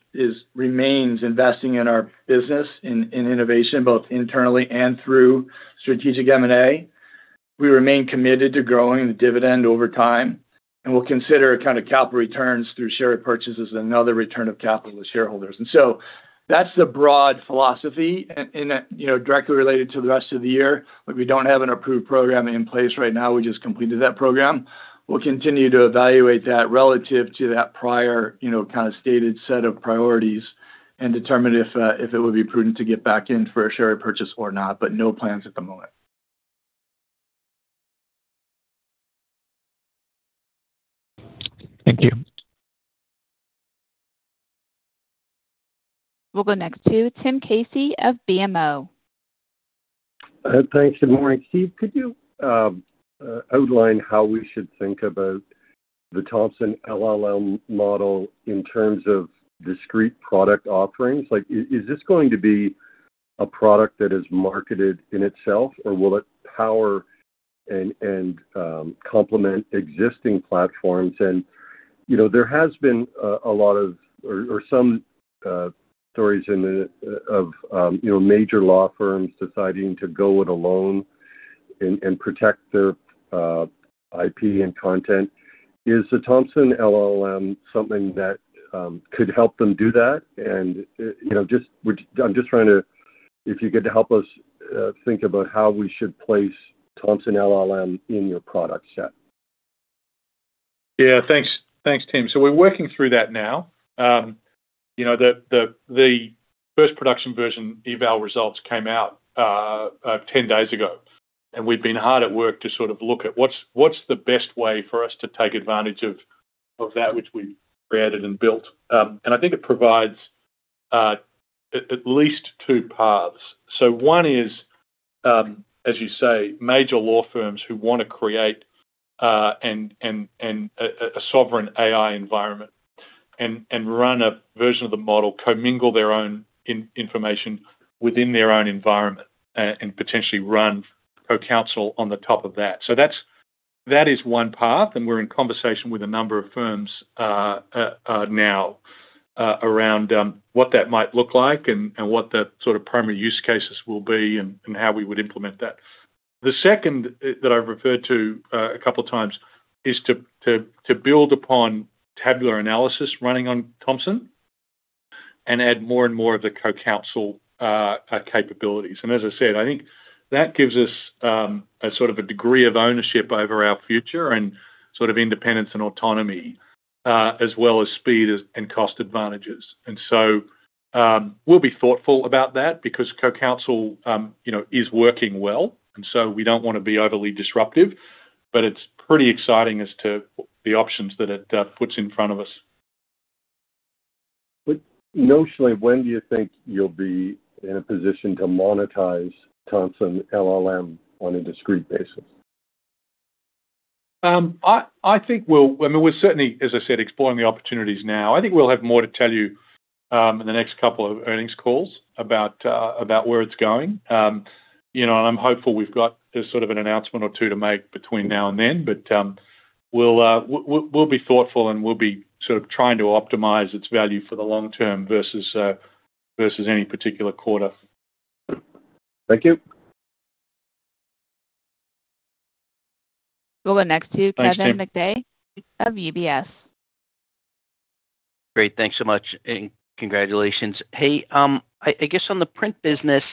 remains investing in our business, in innovation, both internally and through strategic M&A. We remain committed to growing the dividend over time, and we'll consider capital returns through share purchases and other return of capital to shareholders. That's the broad philosophy in that directly related to the rest of the year, but we don't have an approved program in place right now. We just completed that program. We'll continue to evaluate that relative to that prior kind of stated set of priorities and determine if it would be prudent to get back in for a share purchase or not, but no plans at the moment. Thank you. We'll go next to Tim Casey of BMO. Thanks, and morning. Steve, could you outline how we should think about the Thomson LLM model in terms of discrete product offerings? Is this going to be a product that is marketed in itself, or will it power and complement existing platforms? There has been some stories of major law firms deciding to go it alone and protect their IP and content. Is the Thomson LLM something that could help them do that? I'm just trying to, if you could help us think about how we should place Thomson LLM in your product set. Thanks, Tim. We're working through that now. The first production version eval results came out 10 days ago, and we've been hard at work to look at what's the best way for us to take advantage of that which we've created and built. I think it provides at least two paths. One is, as you say, major law firms who want to create a sovereign AI environment and run a version of the model, commingle their own information within their own environment, and potentially run CoCounsel on the top of that. That is one path, and we're in conversation with a number of firms now around what that might look like and what the primary use cases will be and how we would implement that. The second that I've referred to a couple of times is to build upon tabular analysis running on Thomson and add more and more of the CoCounsel capabilities. As I said, I think that gives us a degree of ownership over our future and independence and autonomy, as well as speed and cost advantages. We'll be thoughtful about that because CoCounsel is working well, and so we don't want to be overly disruptive. It's pretty exciting as to the options that it puts in front of us. Notionally, when do you think you'll be in a position to monetize Thomson LLM on a discrete basis? We're certainly, as I said, exploring the opportunities now. I think we'll have more to tell you in the next couple of earnings calls about where it's going. I'm hopeful we've got an announcement or two to make between now and then. We'll be thoughtful, and we'll be trying to optimize its value for the long term versus any particular quarter. Thank you. We'll go next to Kevin McVeigh of UBS. Great. Thanks so much, congratulations. Hey, I guess on the Print business,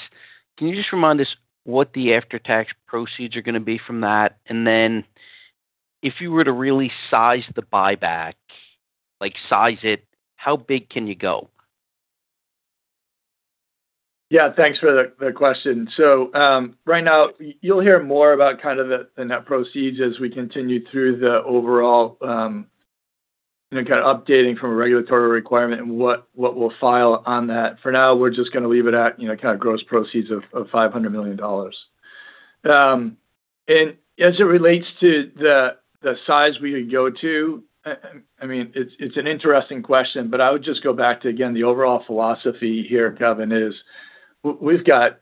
can you just remind us what the after-tax proceeds are going to be from that? If you were to really size the buyback, like size it, how big can you go? Thanks for the question. Right now, you'll hear more about the net proceeds as we continue through the overall updating from a regulatory requirement and what we'll file on that. For now, we're just going to leave it at gross proceeds of $500 million. As it relates to the size we could go to, it's an interesting question, but I would just go back to, again, the overall philosophy here, Kevin, is we've got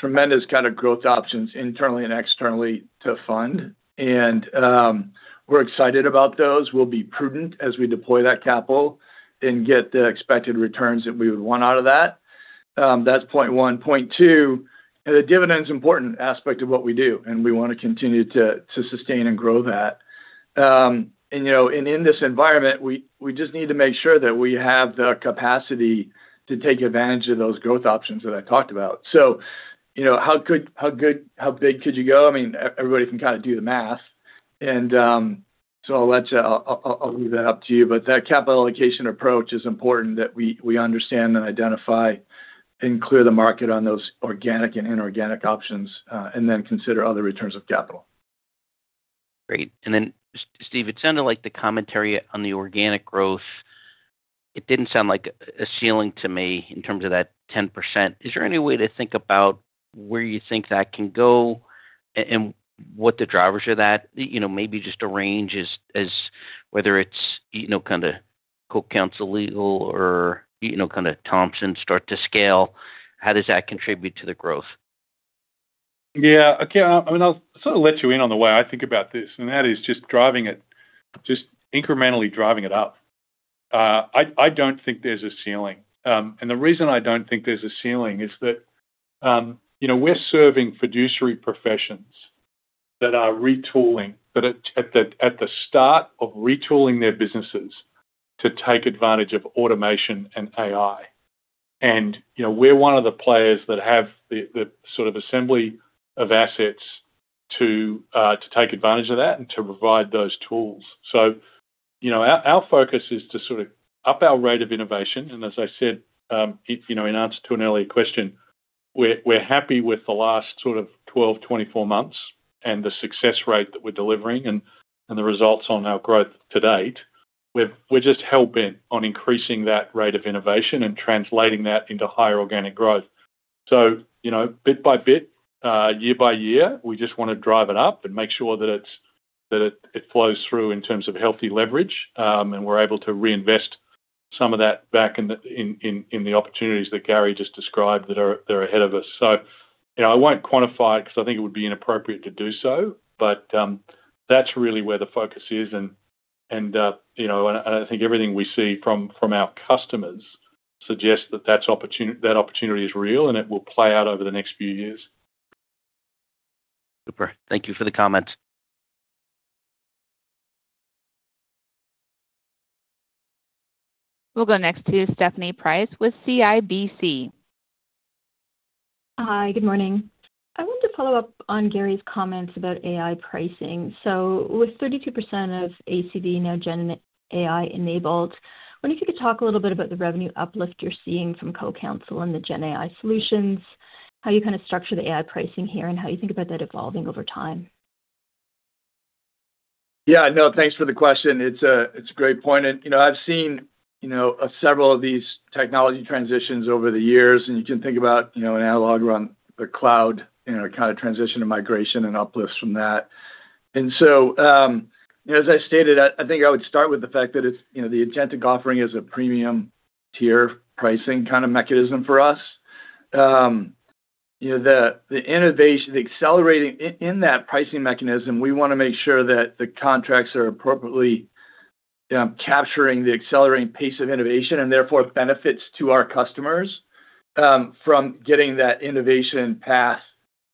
tremendous growth options internally and externally to fund. We're excited about those. We'll be prudent as we deploy that capital and get the expected returns that we would want out of that. That's point one. Point two, the dividend's an important aspect of what we do, and we want to continue to sustain and grow that. In this environment, we just need to make sure that we have the capacity to take advantage of those growth options that I talked about. How big could you go? Everybody can do the math. I'll leave that up to you. That capital allocation approach is important that we understand and identify and clear the market on those organic and inorganic options, and then consider other returns of capital. Great. Steve, it sounded like the commentary on the organic growth, it didn't sound like a ceiling to me in terms of that 10%. Is there any way to think about where you think that can go and what the drivers are that? Maybe just a range as whether it's CoCounsel Legal or Thomson start to scale. How does that contribute to the growth? Okay. I'll sort of let you in on the way I think about this, and that is just incrementally driving it up. I don't think there's a ceiling. The reason I don't think there's a ceiling is that we're serving fiduciary professions that are retooling. That are at the start of retooling their businesses to take advantage of automation and AI. We're one of the players that have the assembly of assets to take advantage of that and to provide those tools. Our focus is to up our rate of innovation. As I said in answer to an earlier question, we're happy with the last 12, 24 months and the success rate that we're delivering and the results on our growth to date. We're just hell-bent on increasing that rate of innovation and translating that into higher organic growth. Bit by bit, year-by-year, we just want to drive it up and make sure that it flows through in terms of healthy leverage, and we're able to reinvest some of that back in the opportunities that Gary just described that are ahead of us. I won't quantify it because I think it would be inappropriate to do so, but that's really where the focus is, and I think everything we see from our customers suggests that opportunity is real, and it will play out over the next few years. Super. Thank you for the comments. We'll go next to Stephanie Price with CIBC. Hi, good morning. I wanted to follow up on Gary's comments about AI pricing. With 32% of ACV now GenAI-enabled, I wonder if you could talk a little bit about the revenue uplift you're seeing from CoCounsel and the GenAI solutions, how you kind of structure the AI pricing here, and how you think about that evolving over time. Yeah, no, thanks for the question. It's a great point. I've seen several of these technology transitions over the years, and you can think about an analog run, a cloud transition to migration and uplifts from that. As I stated, I think I would start with the fact that the agentic offering is a premium tier pricing mechanism for us. The acceleration in that pricing mechanism, we want to make sure that the contracts are appropriately capturing the accelerating pace of innovation and therefore benefits to our customers from getting that innovation path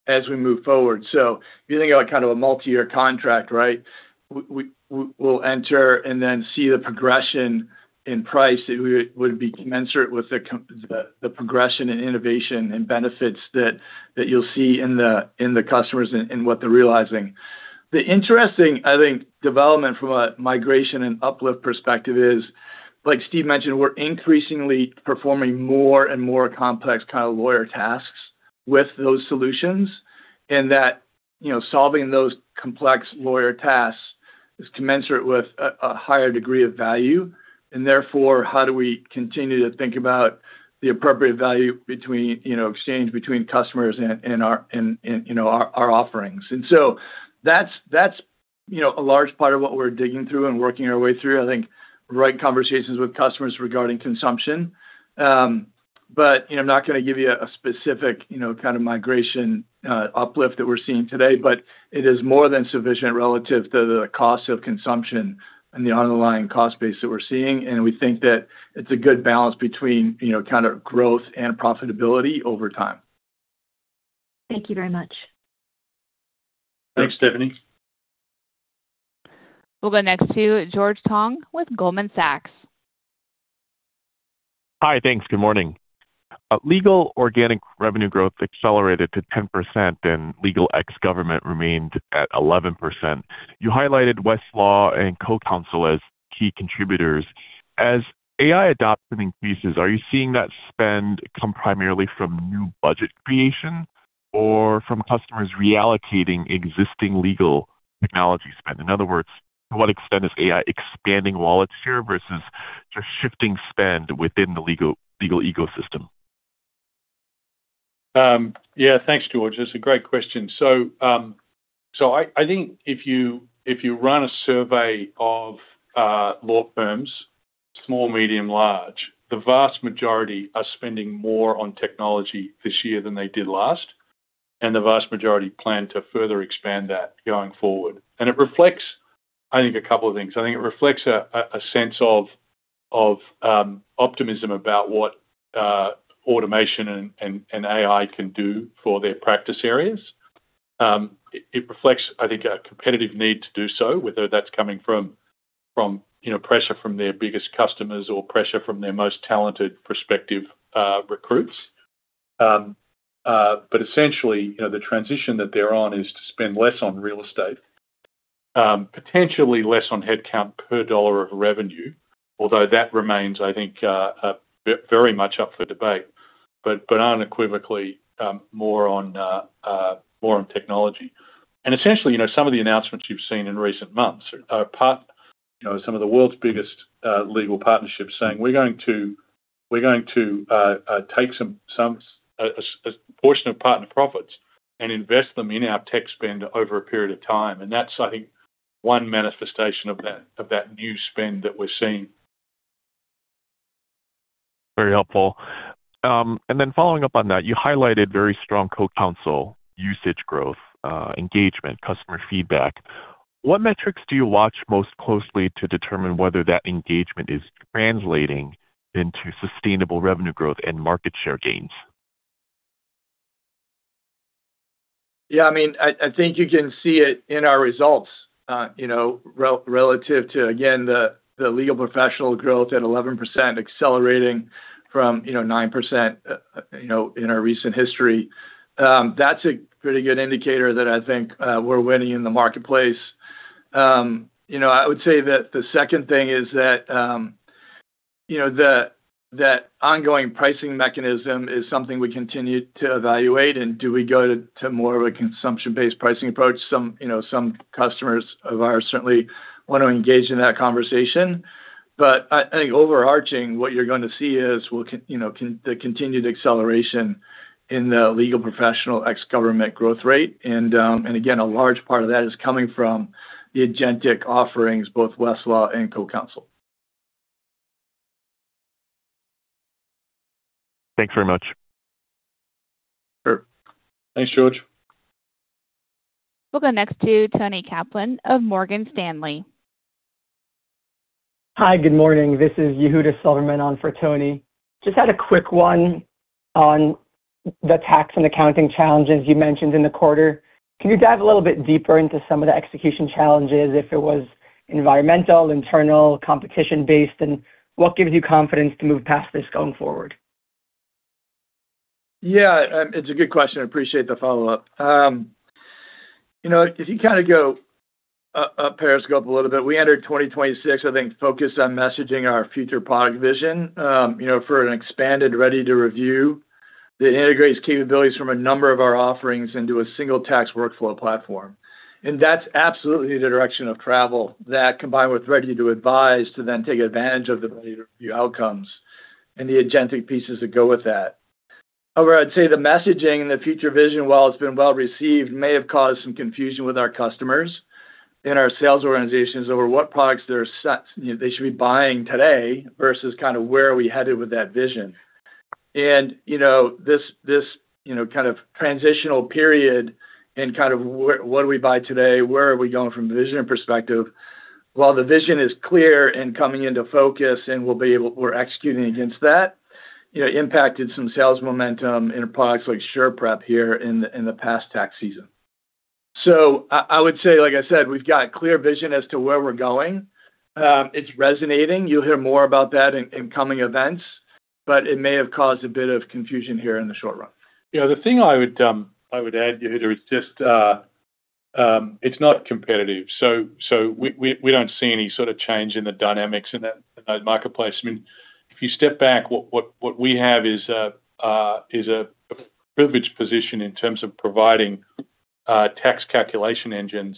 as we move forward. If you think about a multi-year contract, we'll enter and then see the progression in price that would be commensurate with the progression in innovation and benefits that you'll see in the customers and what they're realizing. The interesting, I think, development from a migration and uplift perspective is, like Steve mentioned, we're increasingly performing more and more complex kind of lawyer tasks with those solutions, and that solving those complex lawyer tasks is commensurate with a higher degree of value. Therefore, how do we continue to think about the appropriate value between exchange between customers and our offerings? That's a large part of what we're digging through and working our way through, I think, right conversations with customers regarding consumption. I'm not going to give you a specific kind of migration uplift that we're seeing today, but it is more than sufficient relative to the cost of consumption and the underlying cost base that we're seeing. We think that it's a good balance between growth and profitability over time. Thank you very much. Thanks, Stephanie. We'll go next to George Tong with Goldman Sachs. Hi, thanks. Good morning. Legal organic revenue growth accelerated to 10% and legal ex government remained at 11%. You highlighted Westlaw and CoCounsel as key contributors. As AI adoption increases, are you seeing that spend come primarily from new budget creation or from customers reallocating existing legal technology spend? In other words, to what extent is AI expanding wallet share versus just shifting spend within the legal ecosystem? Yeah. Thanks, George. That's a great question. I think if you run a survey of law firms, small, medium, large, the vast majority are spending more on technology this year than they did last, and the vast majority plan to further expand that going forward. It reflects, I think, a couple of things. I think it reflects a sense of optimism about what automation and AI can do for their practice areas. It reflects, I think, a competitive need to do so, whether that's coming from pressure from their biggest customers or pressure from their most talented prospective recruits. Essentially, the transition that they're on is to spend less on real estate, potentially less on headcount per dollar of revenue, although that remains, I think, very much up for debate. Unequivocally, more on technology. Essentially, some of the announcements you've seen in recent months are some of the world's biggest legal partnerships saying, "We're going to take a portion of partner profits and invest them in our tech spend over a period of time." That's, I think, one manifestation of that new spend that we're seeing. Very helpful. Following up on that, you highlighted very strong CoCounsel usage growth, engagement, customer feedback. What metrics do you watch most closely to determine whether that engagement is translating into sustainable revenue growth and market share gains? Yeah, I think you can see it in our results relative to, again, the legal professional growth at 11%, accelerating from 9% in our recent history. That's a pretty good indicator that I think we're winning in the marketplace. I would say that the second thing is that ongoing pricing mechanism is something we continue to evaluate. Do we go to more of a consumption-based pricing approach? Some customers of ours certainly want to engage in that conversation. I think overarching, what you're going to see is the continued acceleration in the legal professional ex government growth rate. Again, a large part of that is coming from the agentic offerings, both Westlaw and CoCounsel. Thanks very much. Sure. Thanks, George. We'll go next to Toni Kaplan of Morgan Stanley. Hi, good morning. This is Yehuda Silverman on for Toni. Just had a quick one on the tax and accounting challenges you mentioned in the quarter. Can you dive a little bit deeper into some of the execution challenges, if it was environmental, internal competition based, and what gives you confidence to move past this going forward? It's a good question. I appreciate the follow-up. If you go up periscope a little bit, we entered 2026, I think, focused on messaging our future product vision, for an expanded Ready to Review that integrates capabilities from a number of our offerings into a single tax workflow platform. That's absolutely the direction of travel. That combined with Ready to Advise to then take advantage of the Ready to Review outcomes and the agentic pieces that go with that. However, I'd say the messaging and the future vision, while it's been well-received, may have caused some confusion with our customers in our sales organizations over what products they should be buying today versus where are we headed with that vision. This kind of transitional period in what do we buy today, where are we going from a vision and perspective. While the vision is clear and coming into focus, and we're executing against that, impacted some sales momentum in products like SurePrep here in the past tax season. I would say, like I said, we've got clear vision as to where we're going. It's resonating. You'll hear more about that in coming events, but it may have caused a bit of confusion here in the short run. The thing I would add, Yehuda, is just it's not competitive. We don't see any sort of change in the dynamics in that marketplace. I mean, if you step back, what we have is a privileged position in terms of providing tax calculation engines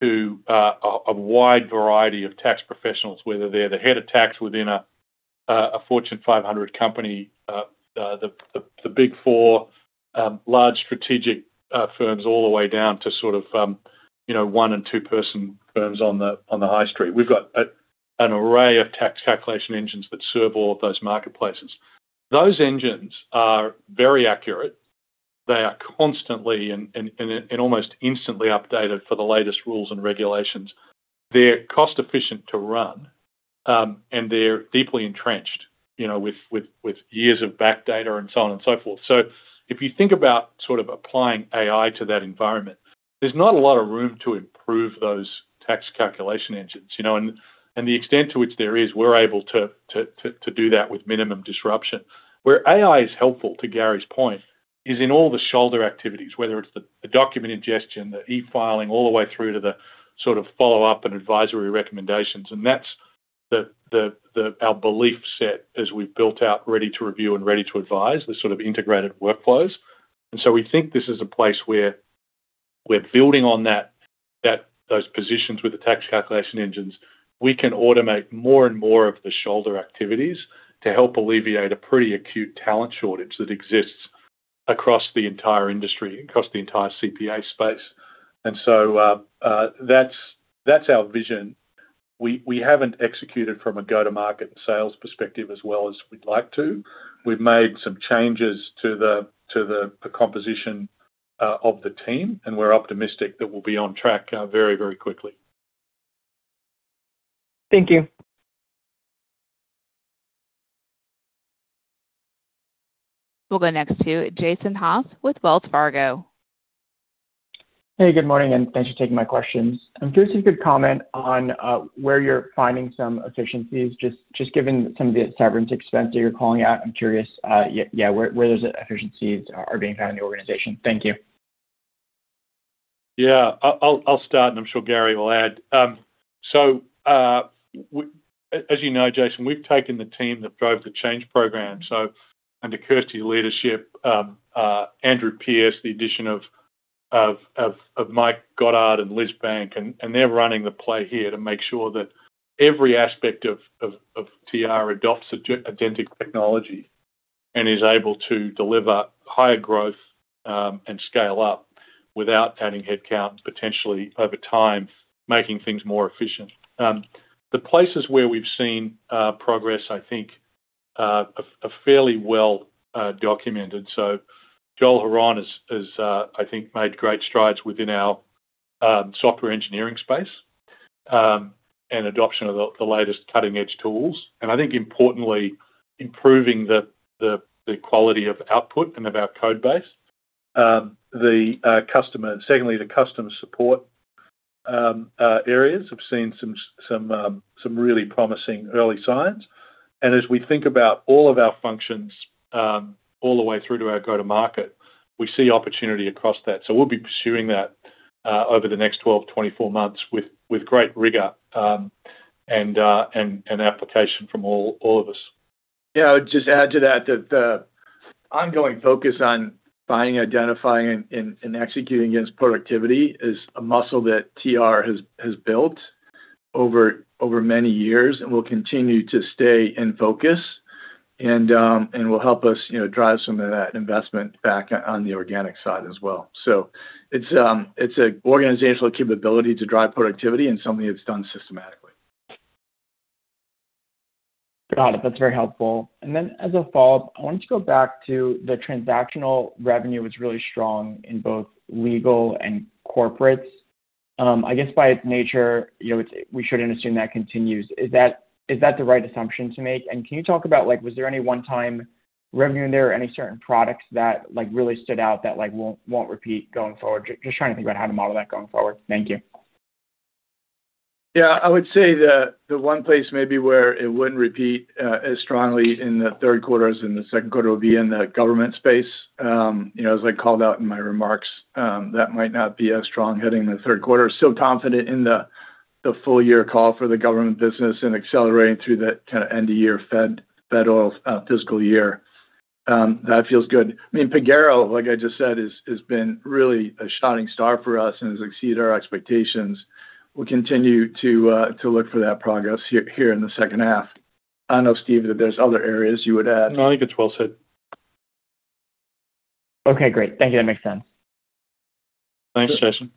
to a wide variety of tax professionals, whether they're the head of tax within a Fortune 500 company, the Big Four large strategic firms, all the way down to one and two-person firms on the high street. We've got an array of tax calculation engines that serve all of those marketplaces. Those engines are very accurate. They are constantly and almost instantly updated for the latest rules and regulations. They're cost-efficient to run, and they're deeply entrenched, with years of back data and so on and so forth. If you think about sort of applying AI to that environment, there's not a lot of room to improve those tax calculation engines. The extent to which there is, we're able to do that with minimum disruption. Where AI is helpful, to Gary's point, is in all the shoulder activities, whether it's the document ingestion, the e-filing, all the way through to the sort of follow-up and advisory recommendations. That's our belief set as we've built out Ready to Review and Ready to Advise the sort of integrated workflows. We think this is a place where we're building on those positions with the tax calculation engines. We can automate more and more of the shoulder activities to help alleviate a pretty acute talent shortage that exists across the entire industry, across the entire CPA space. That's our vision. We haven't executed from a go-to-market sales perspective as well as we'd like to. We've made some changes to the composition of the team, and we're optimistic that we'll be on track very, very quickly. Thank you. We'll go next to Jason Haas with Wells Fargo. Hey, good morning, and thanks for taking my questions. I'm curious if you could comment on where you're finding some efficiencies, just given some of the severance expense that you're calling out. I'm curious, yeah, where those efficiencies are being found in the organization. Thank you. Yeah, I'll start, I'm sure Gary will add. As you know, Jason, we've taken the team that drove the change program. Under Kirsty's leadership, Andrew Pierce, the addition of Mike Goddard and Liz Bank, they're running the play here to make sure that every aspect of TR adopts agentic technology and is able to deliver higher growth, scale up without cutting headcount, potentially over time, making things more efficient. The places where we've seen progress, I think, are fairly well-documented. Joel Hron has, I think, made great strides within our software engineering space, adoption of the latest cutting-edge tools, I think importantly, improving the quality of output and of our code base. Secondly, the customer support areas have seen some really promising early signs. As we think about all of our functions, all the way through to our go-to-market, we see opportunity across that. We'll be pursuing that over the next 12 months-24 months with great rigor, and application from all of us. Yeah, I would just add to that the ongoing focus on finding, identifying, and executing against productivity is a muscle that TR has built over many years and will continue to stay in focus and will help us drive some of that investment back on the organic side as well. It's an organizational capability to drive productivity and something that's done systematically. Got it. That's very helpful. As a follow-up, I wanted to go back to the transactional revenue was really strong in both legal and corporates. I guess by its nature, we shouldn't assume that continues. Is that the right assumption to make? Can you talk about, was there any one-time revenue in there or any certain products that really stood out that won't repeat going forward? Just trying to think about how to model that going forward. Thank you. Yeah, I would say that the one place maybe where it wouldn't repeat as strongly in the third quarter as in the second quarter will be in the government space. As I called out in my remarks, that might not be as strong heading into third quarter. Still confident in the full-year call for the government business and accelerating through that kind of end-of-year Federal fiscal year. That feels good. I mean, Pagero, like I just said, has been really a shining star for us and has exceeded our expectations. We'll continue to look for that progress here in the second half. I don't know, Steve, if there's other areas you would add. No, I think it's well said. Okay, great. Thank you. That makes sense. Thanks, Jason.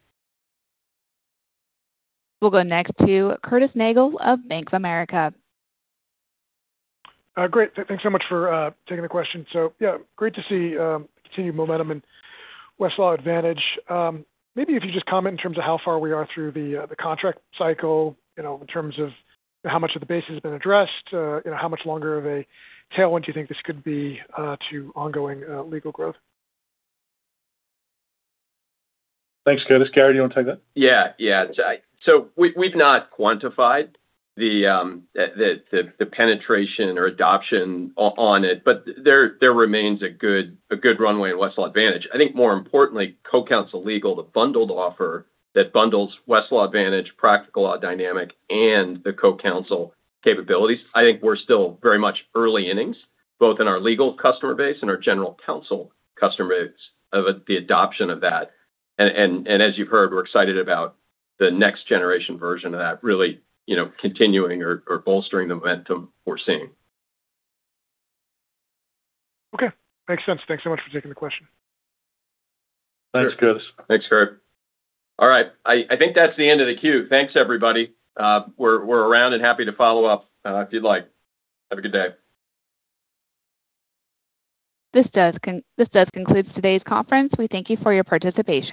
We'll go next to Curtis Nagle of Bank of America. Great. Thanks so much for taking the question. Yeah, great to see continued momentum in Westlaw Advantage. Maybe if you just comment in terms of how far we are through the contract cycle, in terms of how much of the base has been addressed, how much longer of a tailwind do you think this could be to ongoing legal growth? Thanks, Curtis. Gary, do you want to take that? Yeah. We've not quantified the penetration or adoption on it, but there remains a good runway in Westlaw Advantage. I think more importantly, CoCounsel Legal, the bundled offer that bundles Westlaw Advantage, Practical Law Dynamic, and the CoCounsel capabilities. I think we're still very much early innings, both in our legal customer base and our general counsel customer base of the adoption of that. As you've heard, we're excited about the next generation version of that really continuing or bolstering the momentum we're seeing. Okay. Makes sense. Thanks so much for taking the question. Thanks, Curtis. Thanks, Curtis. All right. I think that's the end of the queue. Thanks, everybody. We're around and happy to follow up if you'd like. Have a good day. This does conclude today's conference. We thank you for your participation.